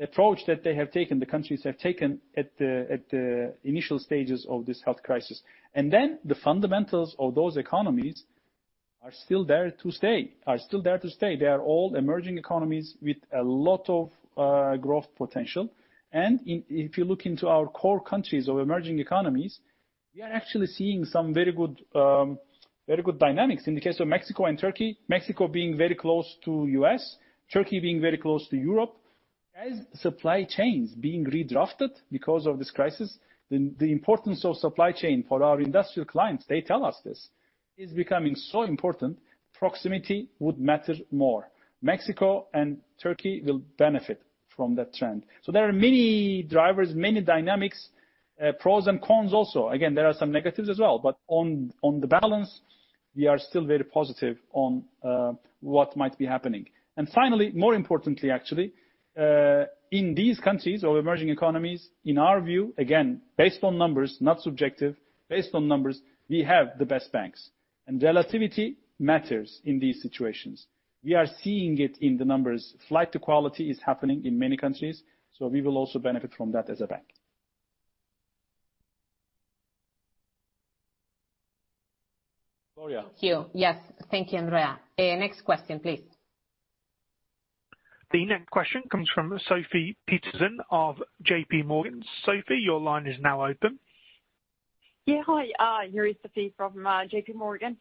approach that they have taken, the countries have taken at the initial stages of this health crisis. The fundamentals of those economies are still there to stay. They are all emerging economies with a lot of growth potential. If you look into our core countries of emerging economies, we are actually seeing some very good dynamics. In the case of Mexico and Turkey, Mexico being very close to U.S., Turkey being very close to Europe. As supply chains being redrafted because of this crisis, the importance of supply chain for our industrial clients, they tell us this, is becoming so important, proximity would matter more. Mexico and Turkey will benefit from that trend. There are many drivers, many dynamics, pros and cons also. Again, there are some negatives as well, but on the balance, we are still very positive on what might be happening. Finally, more importantly, actually, in these countries or emerging economies, in our view, again, based on numbers, not subjective, based on numbers, we have the best banks. Relativity matters in these situations. We are seeing it in the numbers. Flight to quality is happening in many countries, so we will also benefit from that as a bank. Gloria. Thank you. Yes, thank you, Andrea. Next question, please. The next question comes from Sofie Peterzens of J.P. Morgan. Sofie, your line is now open. Yeah. Hi, it's Sofie from J.P. Morgan.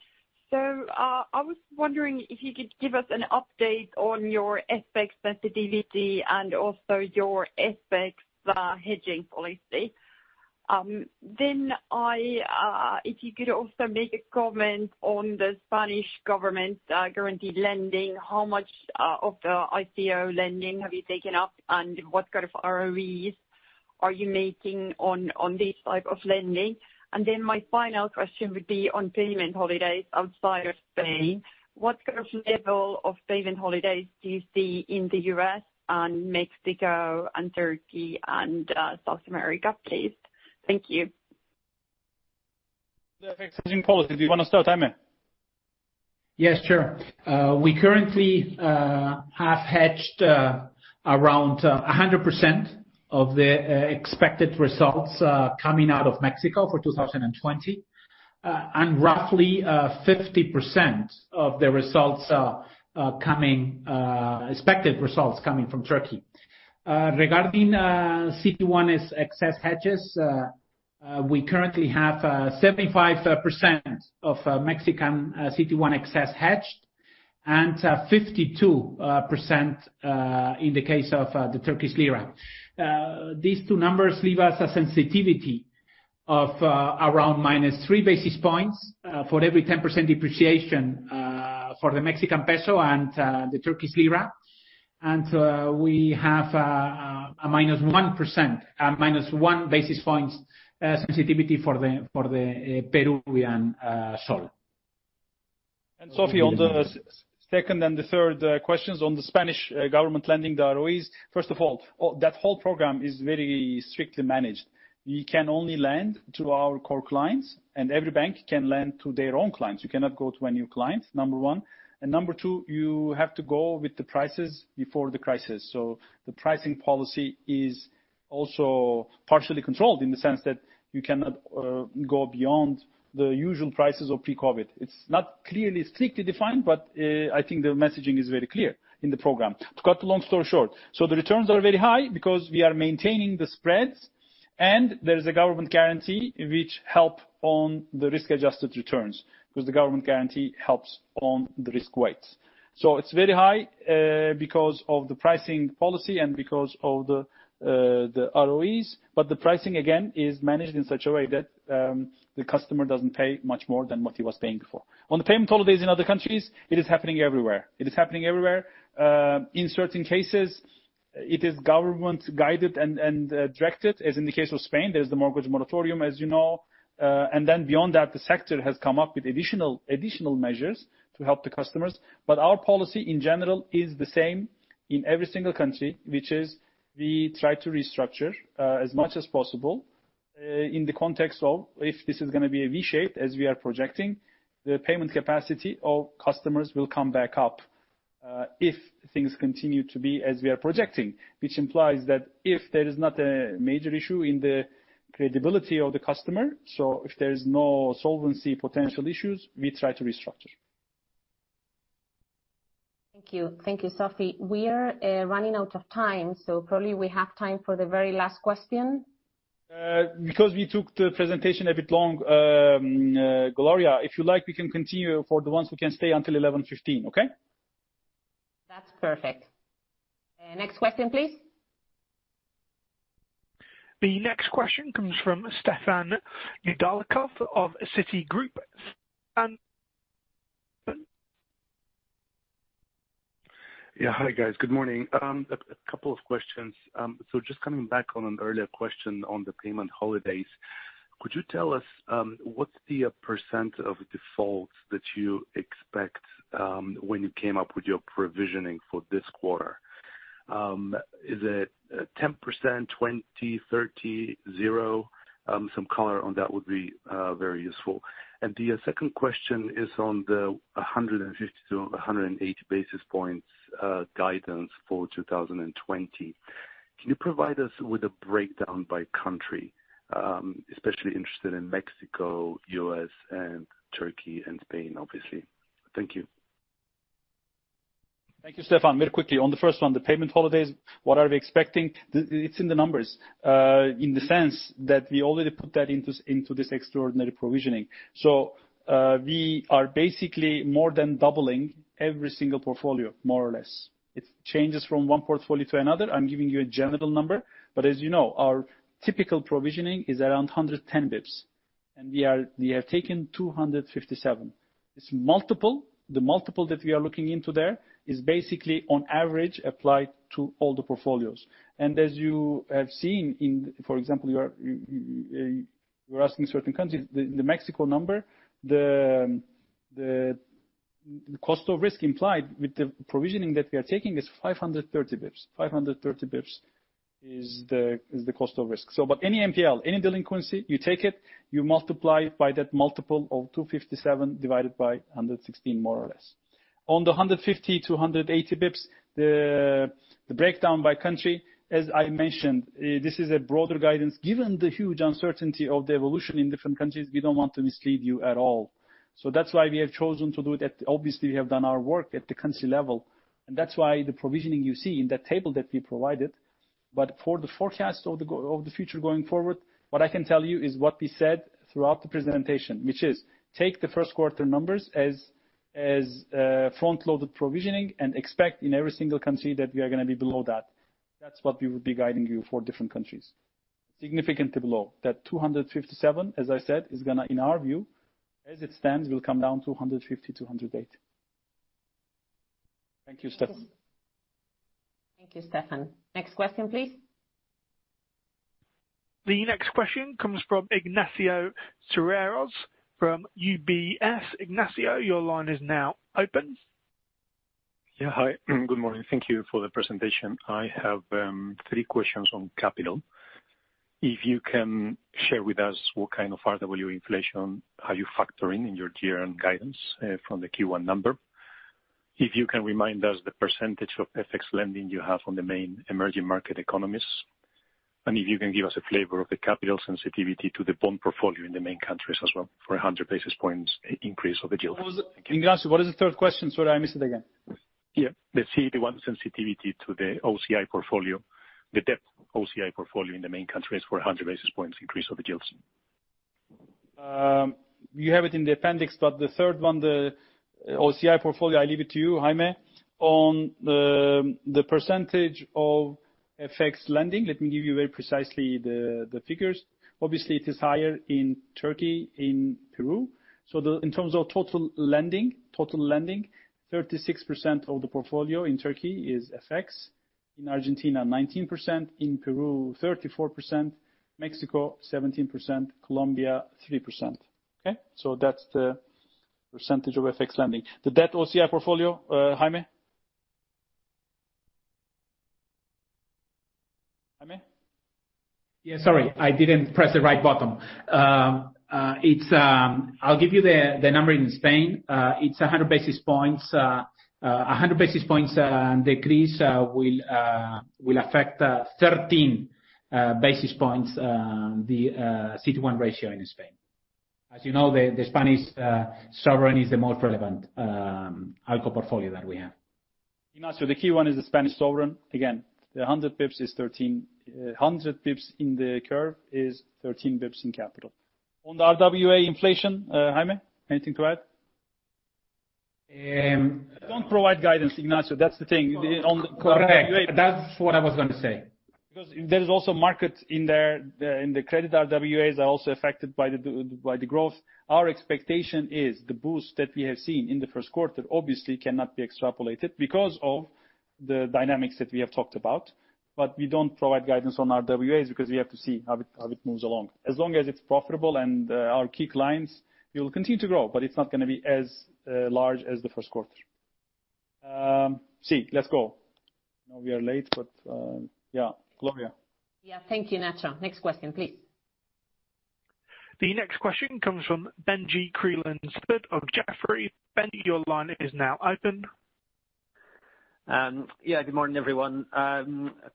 I was wondering if you could give us an update on your FX sensitivity and also your FX hedging policy. If you could also make a comment on the Spanish government guaranteed lending, how much of the ICO lending have you taken up, and what kind of ROEs are you making on this type of lending? My final question would be on payment holidays outside of Spain. What kind of level of payment holidays do you see in the U.S. and Mexico and Turkey and South America, please? Thank you. The FX hedging policy. Do you want to start, Jaime? Yes, sure. We currently have hedged around 100% of the expected results coming out of Mexico for 2020, and roughly 50% of the expected results coming from Turkey. Regarding CET1's excess hedges, we currently have 75% of Mexican CET1 excess hedged and 52% in the case of the Turkish lira. These two numbers leave us a sensitivity of around -3 basis points for every 10% depreciation for the Mexican peso and the Turkish lira. We have a -1 basis points sensitivity for the Peruvian sol. Sofie, on the second and the third questions on the Spanish government lending, the ROEs. First of all, that whole program is very strictly managed. We can only lend to our core clients, and every bank can lend to their own clients. You cannot go to a new client, number one. Number two, you have to go with the prices before the crisis. The pricing policy is also partially controlled in the sense that you cannot go beyond the usual prices of pre-COVID. It's not clearly strictly defined, but I think the messaging is very clear in the program. To cut a long story short, the returns are very high because we are maintaining the spreads, and there is a government guarantee which help on the risk-adjusted returns, because the government guarantee helps on the risk weights. It's very high because of the pricing policy and because of the ROEs. The pricing, again, is managed in such a way that the customer doesn't pay much more than what he was paying before. On the payment holidays in other countries, it is happening everywhere. It is happening everywhere. In certain cases, it is government guided and directed, as in the case of Spain. There's the mortgage moratorium, as you know. Beyond that, the sector has come up with additional measures to help the customers. Our policy, in general, is the same in every single country, which is we try to restructure as much as possible in the context of if this is going to be a V shape, as we are projecting, the payment capacity of customers will come back up, if things continue to be as we are projecting. Which implies that if there is not a major issue in the credibility of the customer, so if there is no solvency potential issues, we try to restructure. Thank you. Thank you, Sofie. We are running out of time, so probably we have time for the very last question. Because we took the presentation a bit long, Gloria, if you like, we can continue for the ones who can stay until 11:15 A.M. Okay? That's perfect. Next question, please. The next question comes from Stefan Nedialkov of Citigroup. Yeah. Hi, guys. Good morning. A couple of questions. Just coming back on an earlier question on the payment holidays, could you tell us what's the percent of defaults that you expect when you came up with your provisioning for this quarter? Is it 10%, 20%, 30%, 0%? Some color on that would be very useful. The second question is on the 150-180 basis points guidance for 2020. Can you provide us with a breakdown by country? Especially interested in Mexico, U.S., and Turkey, and Spain, obviously. Thank you. Thank you, Stefan. Very quickly on the first one, the payment holidays, what are we expecting? It's in the numbers, in the sense that we already put that into this extraordinary provisioning. We are basically more than doubling every single portfolio, more or less. It changes from one portfolio to another. I'm giving you a general number, but as you know, our typical provisioning is around 110 basis points, and we have taken 257 basis points. It's multiple. The multiple that we are looking into there is basically on average applied to all the portfolios. As you have seen in, for example, you're asking certain countries, the Mexico number, the cost of risk implied with the provisioning that we are taking is 530 basis points. 530 basis points is the cost of risk. Any NPL, any delinquency, you take it, you multiply it by that multiple of 257 divided by 116, more or less. On the 150 basis points-180 basis points, the breakdown by country, as I mentioned, this is a broader guidance. Given the huge uncertainty of the evolution in different countries, we don't want to mislead you at all. That's why we have chosen to do that. Obviously, we have done our work at the country level, and that's why the provisioning you see in that table that we provided. For the forecast of the future going forward, what I can tell you is what we said throughout the presentation, which is take the first quarter numbers as front-loaded provisioning and expect in every single country that we are going to be below that. That's what we would be guiding you for different countries. Significantly below. That 257, as I said, is going to, in our view, as it stands, will come down to 150 basis points, 180 basis points. Thank you, Stefan. Thank you, Stefan. Next question, please. The next question comes from Ignacio Cerezo from UBS. Ignacio, your line is now open. Yeah. Hi. Good morning. Thank you for the presentation. I have three questions on capital. If you can share with us what kind of RWA inflation are you factoring in your year-end guidance from the Q1 number? If you can remind us the percentage of FX lending you have on the main emerging market economies, and if you can give us a flavor of the capital sensitivity to the bond portfolio in the main countries as well, for 100 basis points increase of the yields. Thank you. Ignacio, what is the third question? Sorry, I missed it again. Yeah. The CET1 sensitivity to the OCI portfolio, the debt OCI portfolio in the main countries for 100 basis points increase of the gilts. You have it in the appendix. The third one, the OCI portfolio, I leave it to you, Jaime. On the percentage of FX lending, let me give you very precisely the figures. Obviously, it is higher in Turkey, in Peru. In terms of total lending, 36% of the portfolio in Turkey is FX, in Argentina 19%, in Peru 34%, Mexico 17%, Colombia 3%. Okay. That's the percentage of FX lending. The debt OCI portfolio, Jaime? Jaime? Yeah, sorry. I didn't press the right button. I'll give you the number in Spain. It's 100 basis points. 100 basis points decrease will affect 13 basis points the CET1 ratio in Spain. As you know, the Spanish sovereign is the most relevant ALCO portfolio that we have. Ignacio, the key one is the Spanish sovereign. Again, the 100 basis points in the curve is 13 basis points in capital. On the RWA inflation, Jaime, anything to add? Erm- Don't provide guidance, Ignacio. That's the thing on the RWA. Correct. That's what I was going to say. Because there is also market in there, in the credit RWAs are also affected by the growth. Our expectation is the boost that we have seen in the first quarter obviously cannot be extrapolated, because of the dynamics that we have talked about. We don't provide guidance on RWAs because we have to see how it moves along. As long as it's profitable and our key clients will continue to grow, but it's not going to be as large as the first quarter. Si, let's go. Now we are late, but yeah. Gloria. Yeah. Thank you, Ignacio. Next question please. The next question comes from Benjie Creelan-Sandford of Jefferies. Benjie, your line is now open. Yeah. Good morning, everyone. A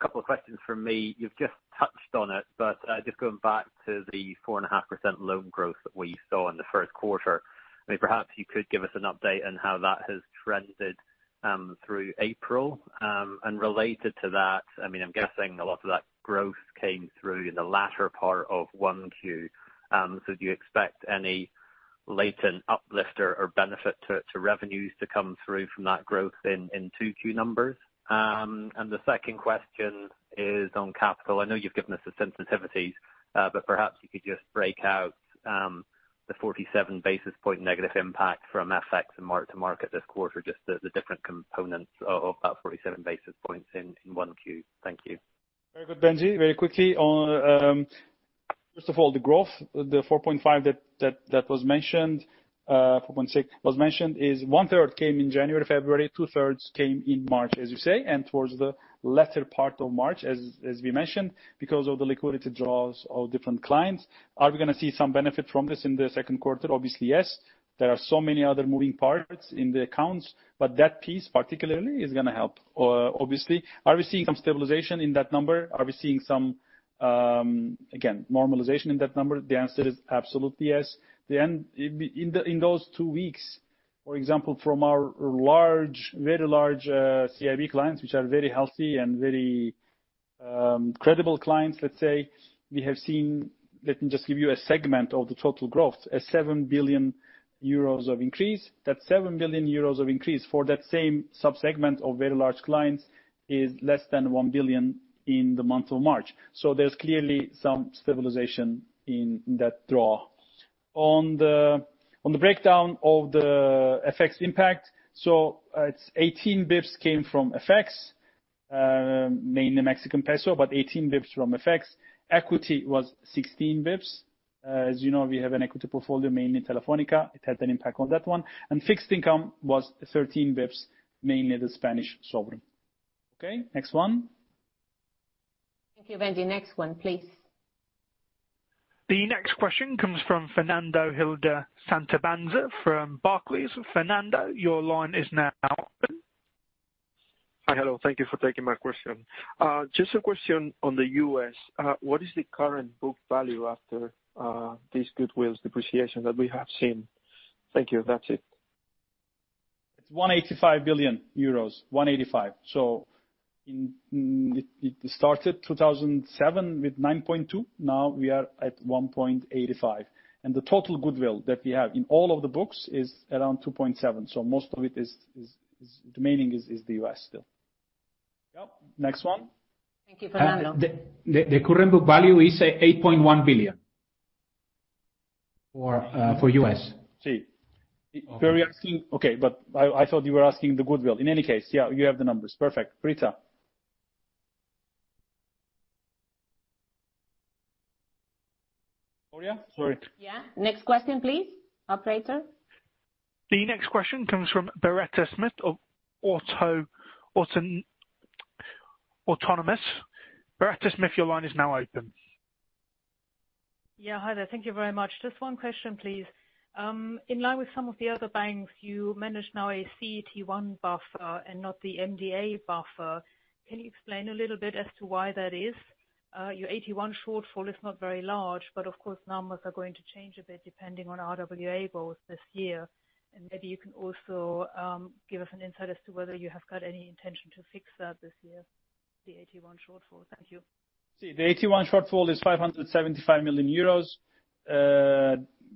couple of questions from me. You've just touched on it, but just going back to the 4.5% loan growth that we saw in the first quarter. Maybe perhaps you could give us an update on how that has trended through April. Related to that, I'm guessing a lot of that growth came through in the latter part of 1Q. Do you expect any latent uplifter or benefit to revenues to come through from that growth in 2Q numbers? The second question is on capital. I know you've given us the sensitivities, but perhaps you could just break out the 47 basis point negative impact from FX and mark-to-market this quarter, just the different components of that 47 basis points in 1Q. Thank you. Very good, Benjie. Very quickly on, first of all, the growth, the 4.5% that was mentioned, 4.6% was mentioned, is one third came in January, February, two-thirds came in March, as you say, and towards the latter part of March, as we mentioned, because of the liquidity draws of different clients. Are we going to see some benefit from this in the second quarter? Obviously, yes. There are so many other moving parts in the accounts, but that piece particularly is going to help, obviously. Are we seeing some stabilization in that number? Are we seeing some, again, normalization in that number? The answer is absolutely yes. In those two weeks, for example, from our very large CIB clients, which are very healthy and very credible clients, let's say, we have seen, let me just give you a segment of the total growth, a 7 billion euros of increase. That 7 billion euros of increase for that same sub-segment of very large clients is less than 1 billion in the month of March. There's clearly some stabilization in that draw. On the breakdown of the FX impact, it's 18 basis points came from FX. Mainly Mexican peso, but 18 basis points from FX. Equity was 16 basis points. As you know, we have an equity portfolio, mainly Telefónica. It had an impact on that one. Fixed income was 13 basis points, mainly the Spanish sovereign. Okay, next one. Thank you, Benjie. Next one, please. The next question comes from Fernando Gil de Santivañes from Barclays. Fernando, your line is now open. Hi. Hello. Thank you for taking my question. Just a question on the U.S. What is the current book value after this goodwill depreciation that we have seen? Thank you. That's it. It's 1.85 billion euros. 1.85 billion. It started 2007 with 9.2 billion, now we are at 1.85 billion. The total goodwill that we have in all of the books is around 2.7, so most of it is the meaning is the U.S. still. Yep. Next one. Thank you, Fernando. The current book value is 8.1 billion for U.S. Si. Okay, I thought you were asking the goodwill. In any case, yeah, you have the numbers. Perfect. Britta. Gloria, sorry. Yeah. Next question please, operator. The next question comes from Britta Schmidt of Autonomous. Britta Schmidt, your line is now open. Hi there. Thank you very much. Just one question, please. In line with some of the other banks, you manage now a CET1 buffer and not the MDA buffer. Can you explain a little bit as to why that is? Your AT1 shortfall is not very large. Of course, numbers are going to change a bit depending on RWAs both this year. Maybe you can also give us an insight as to whether you have got any intention to fix that this year, the AT1 shortfall. Thank you. The AT1 shortfall is 575 million euros.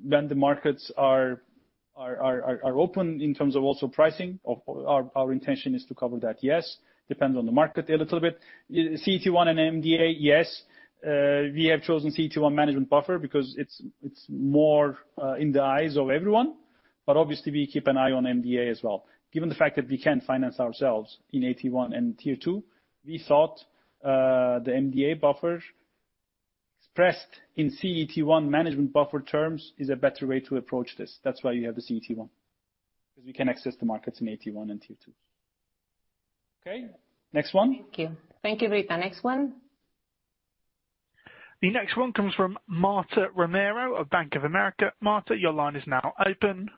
When the markets are open in terms of also pricing, our intention is to cover that, yes. Depends on the market a little bit. CET1 and MDA, yes. We have chosen CET1 management buffer because it's more in the eyes of everyone. Obviously, we keep an eye on MDA as well. Given the fact that we can't finance ourselves in AT1 and Tier 2, we thought the MDA buffer expressed in CET1 management buffer terms is a better way to approach this. That's why you have the CET1, because we can access the markets in AT1 and Tier 2. Okay, next one. Thank you. Thank you, Britta. Next one. The next one comes from Marta Romero of Bank of America. Marta, your line is now open.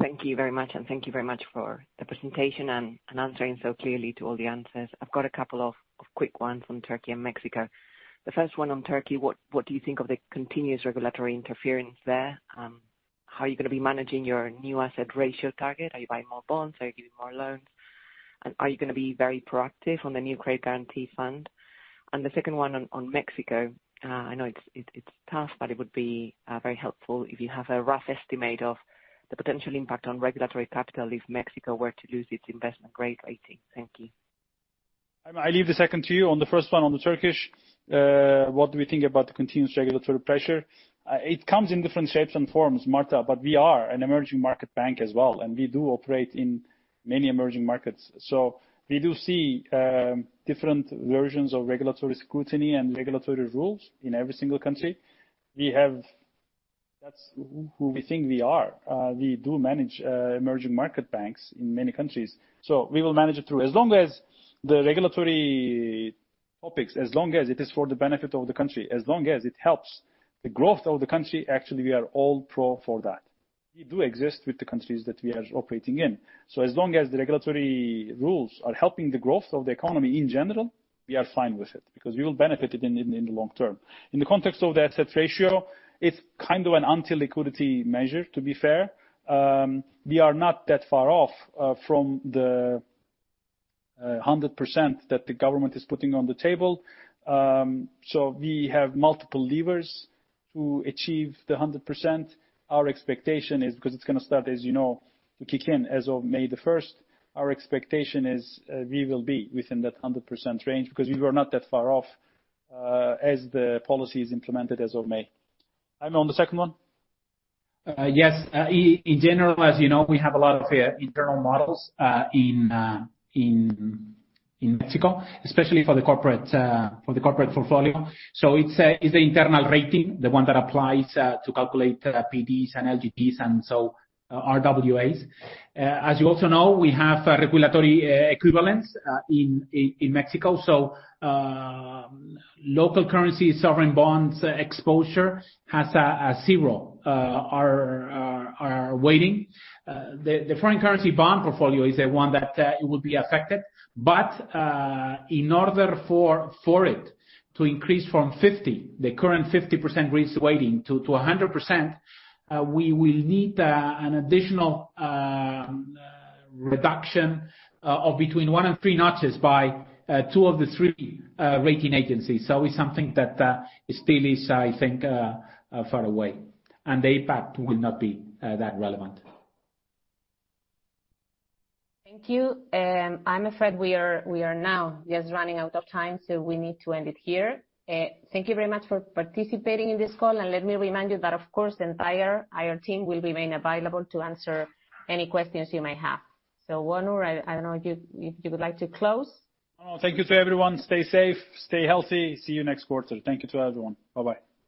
Thank you very much. Thank you very much for the presentation and answering so clearly to all the answers. I've got a couple of quick ones on Turkey and Mexico. The first one on Turkey, what do you think of the continuous regulatory interference there? How are you going to be managing your new asset ratio target? Are you buying more bonds? Are you giving more loans? Are you going to be very proactive on the new credit guarantee fund? The second one on Mexico, I know it's tough, but it would be very helpful if you have a rough estimate of the potential impact on regulatory capital if Mexico were to lose its investment grade rating. Thank you. Jaime, I leave the second to you. On the first one on the Turkish, what do we think about the continuous regulatory pressure? It comes in different shapes and forms, Marta. We are an emerging market bank as well, we do operate in many emerging markets. We do see different versions of regulatory scrutiny and regulatory rules in every single country. That's who we think we are. We do manage emerging market banks in many countries, we will manage it through. As long as the regulatory topics, as long as it is for the benefit of the country, as long as it helps the growth of the country, actually, we are all pro for that. We do exist with the countries that we are operating in. As long as the regulatory rules are helping the growth of the economy in general, we are fine with it because we will benefit it in the long term. In the context of the asset ratio, it's kind of an anti-liquidity measure, to be fair. We are not that far off from the 100% that the government is putting on the table. We have multiple levers to achieve the 100%. Our expectation is because it's going to start, as you know, to kick in as of May the 1st. Our expectation is we will be within that 100% range because we were not that far off as the policy is implemented as of May. Jaime, on the second one. Yes. In general, as you know, we have a lot of internal models in Mexico, especially for the corporate portfolio. It's the internal rating, the one that applies to calculate PDs and LGDs, and RWAs. As you also know, we have regulatory equivalents in Mexico. Local currency sovereign bonds exposure has a zero risk weighting. The foreign currency bond portfolio is the one that it would be affected. In order for it to increase from 50%, the current 50% risk weighting to 100%, we will need an additional reduction of between one and three notches by two of the three rating agencies. It's something that still is, I think far away, and the impact will not be that relevant. Thank you. I'm afraid we are now just running out of time, so we need to end it here. Thank you very much for participating in this call, and let me remind you that, of course, the entire IR team will remain available to answer any questions you may have. Onur, I don't know if you would like to close. Thank you to everyone. Stay safe, stay healthy. See you next quarter. Thank you to everyone. Bye-bye.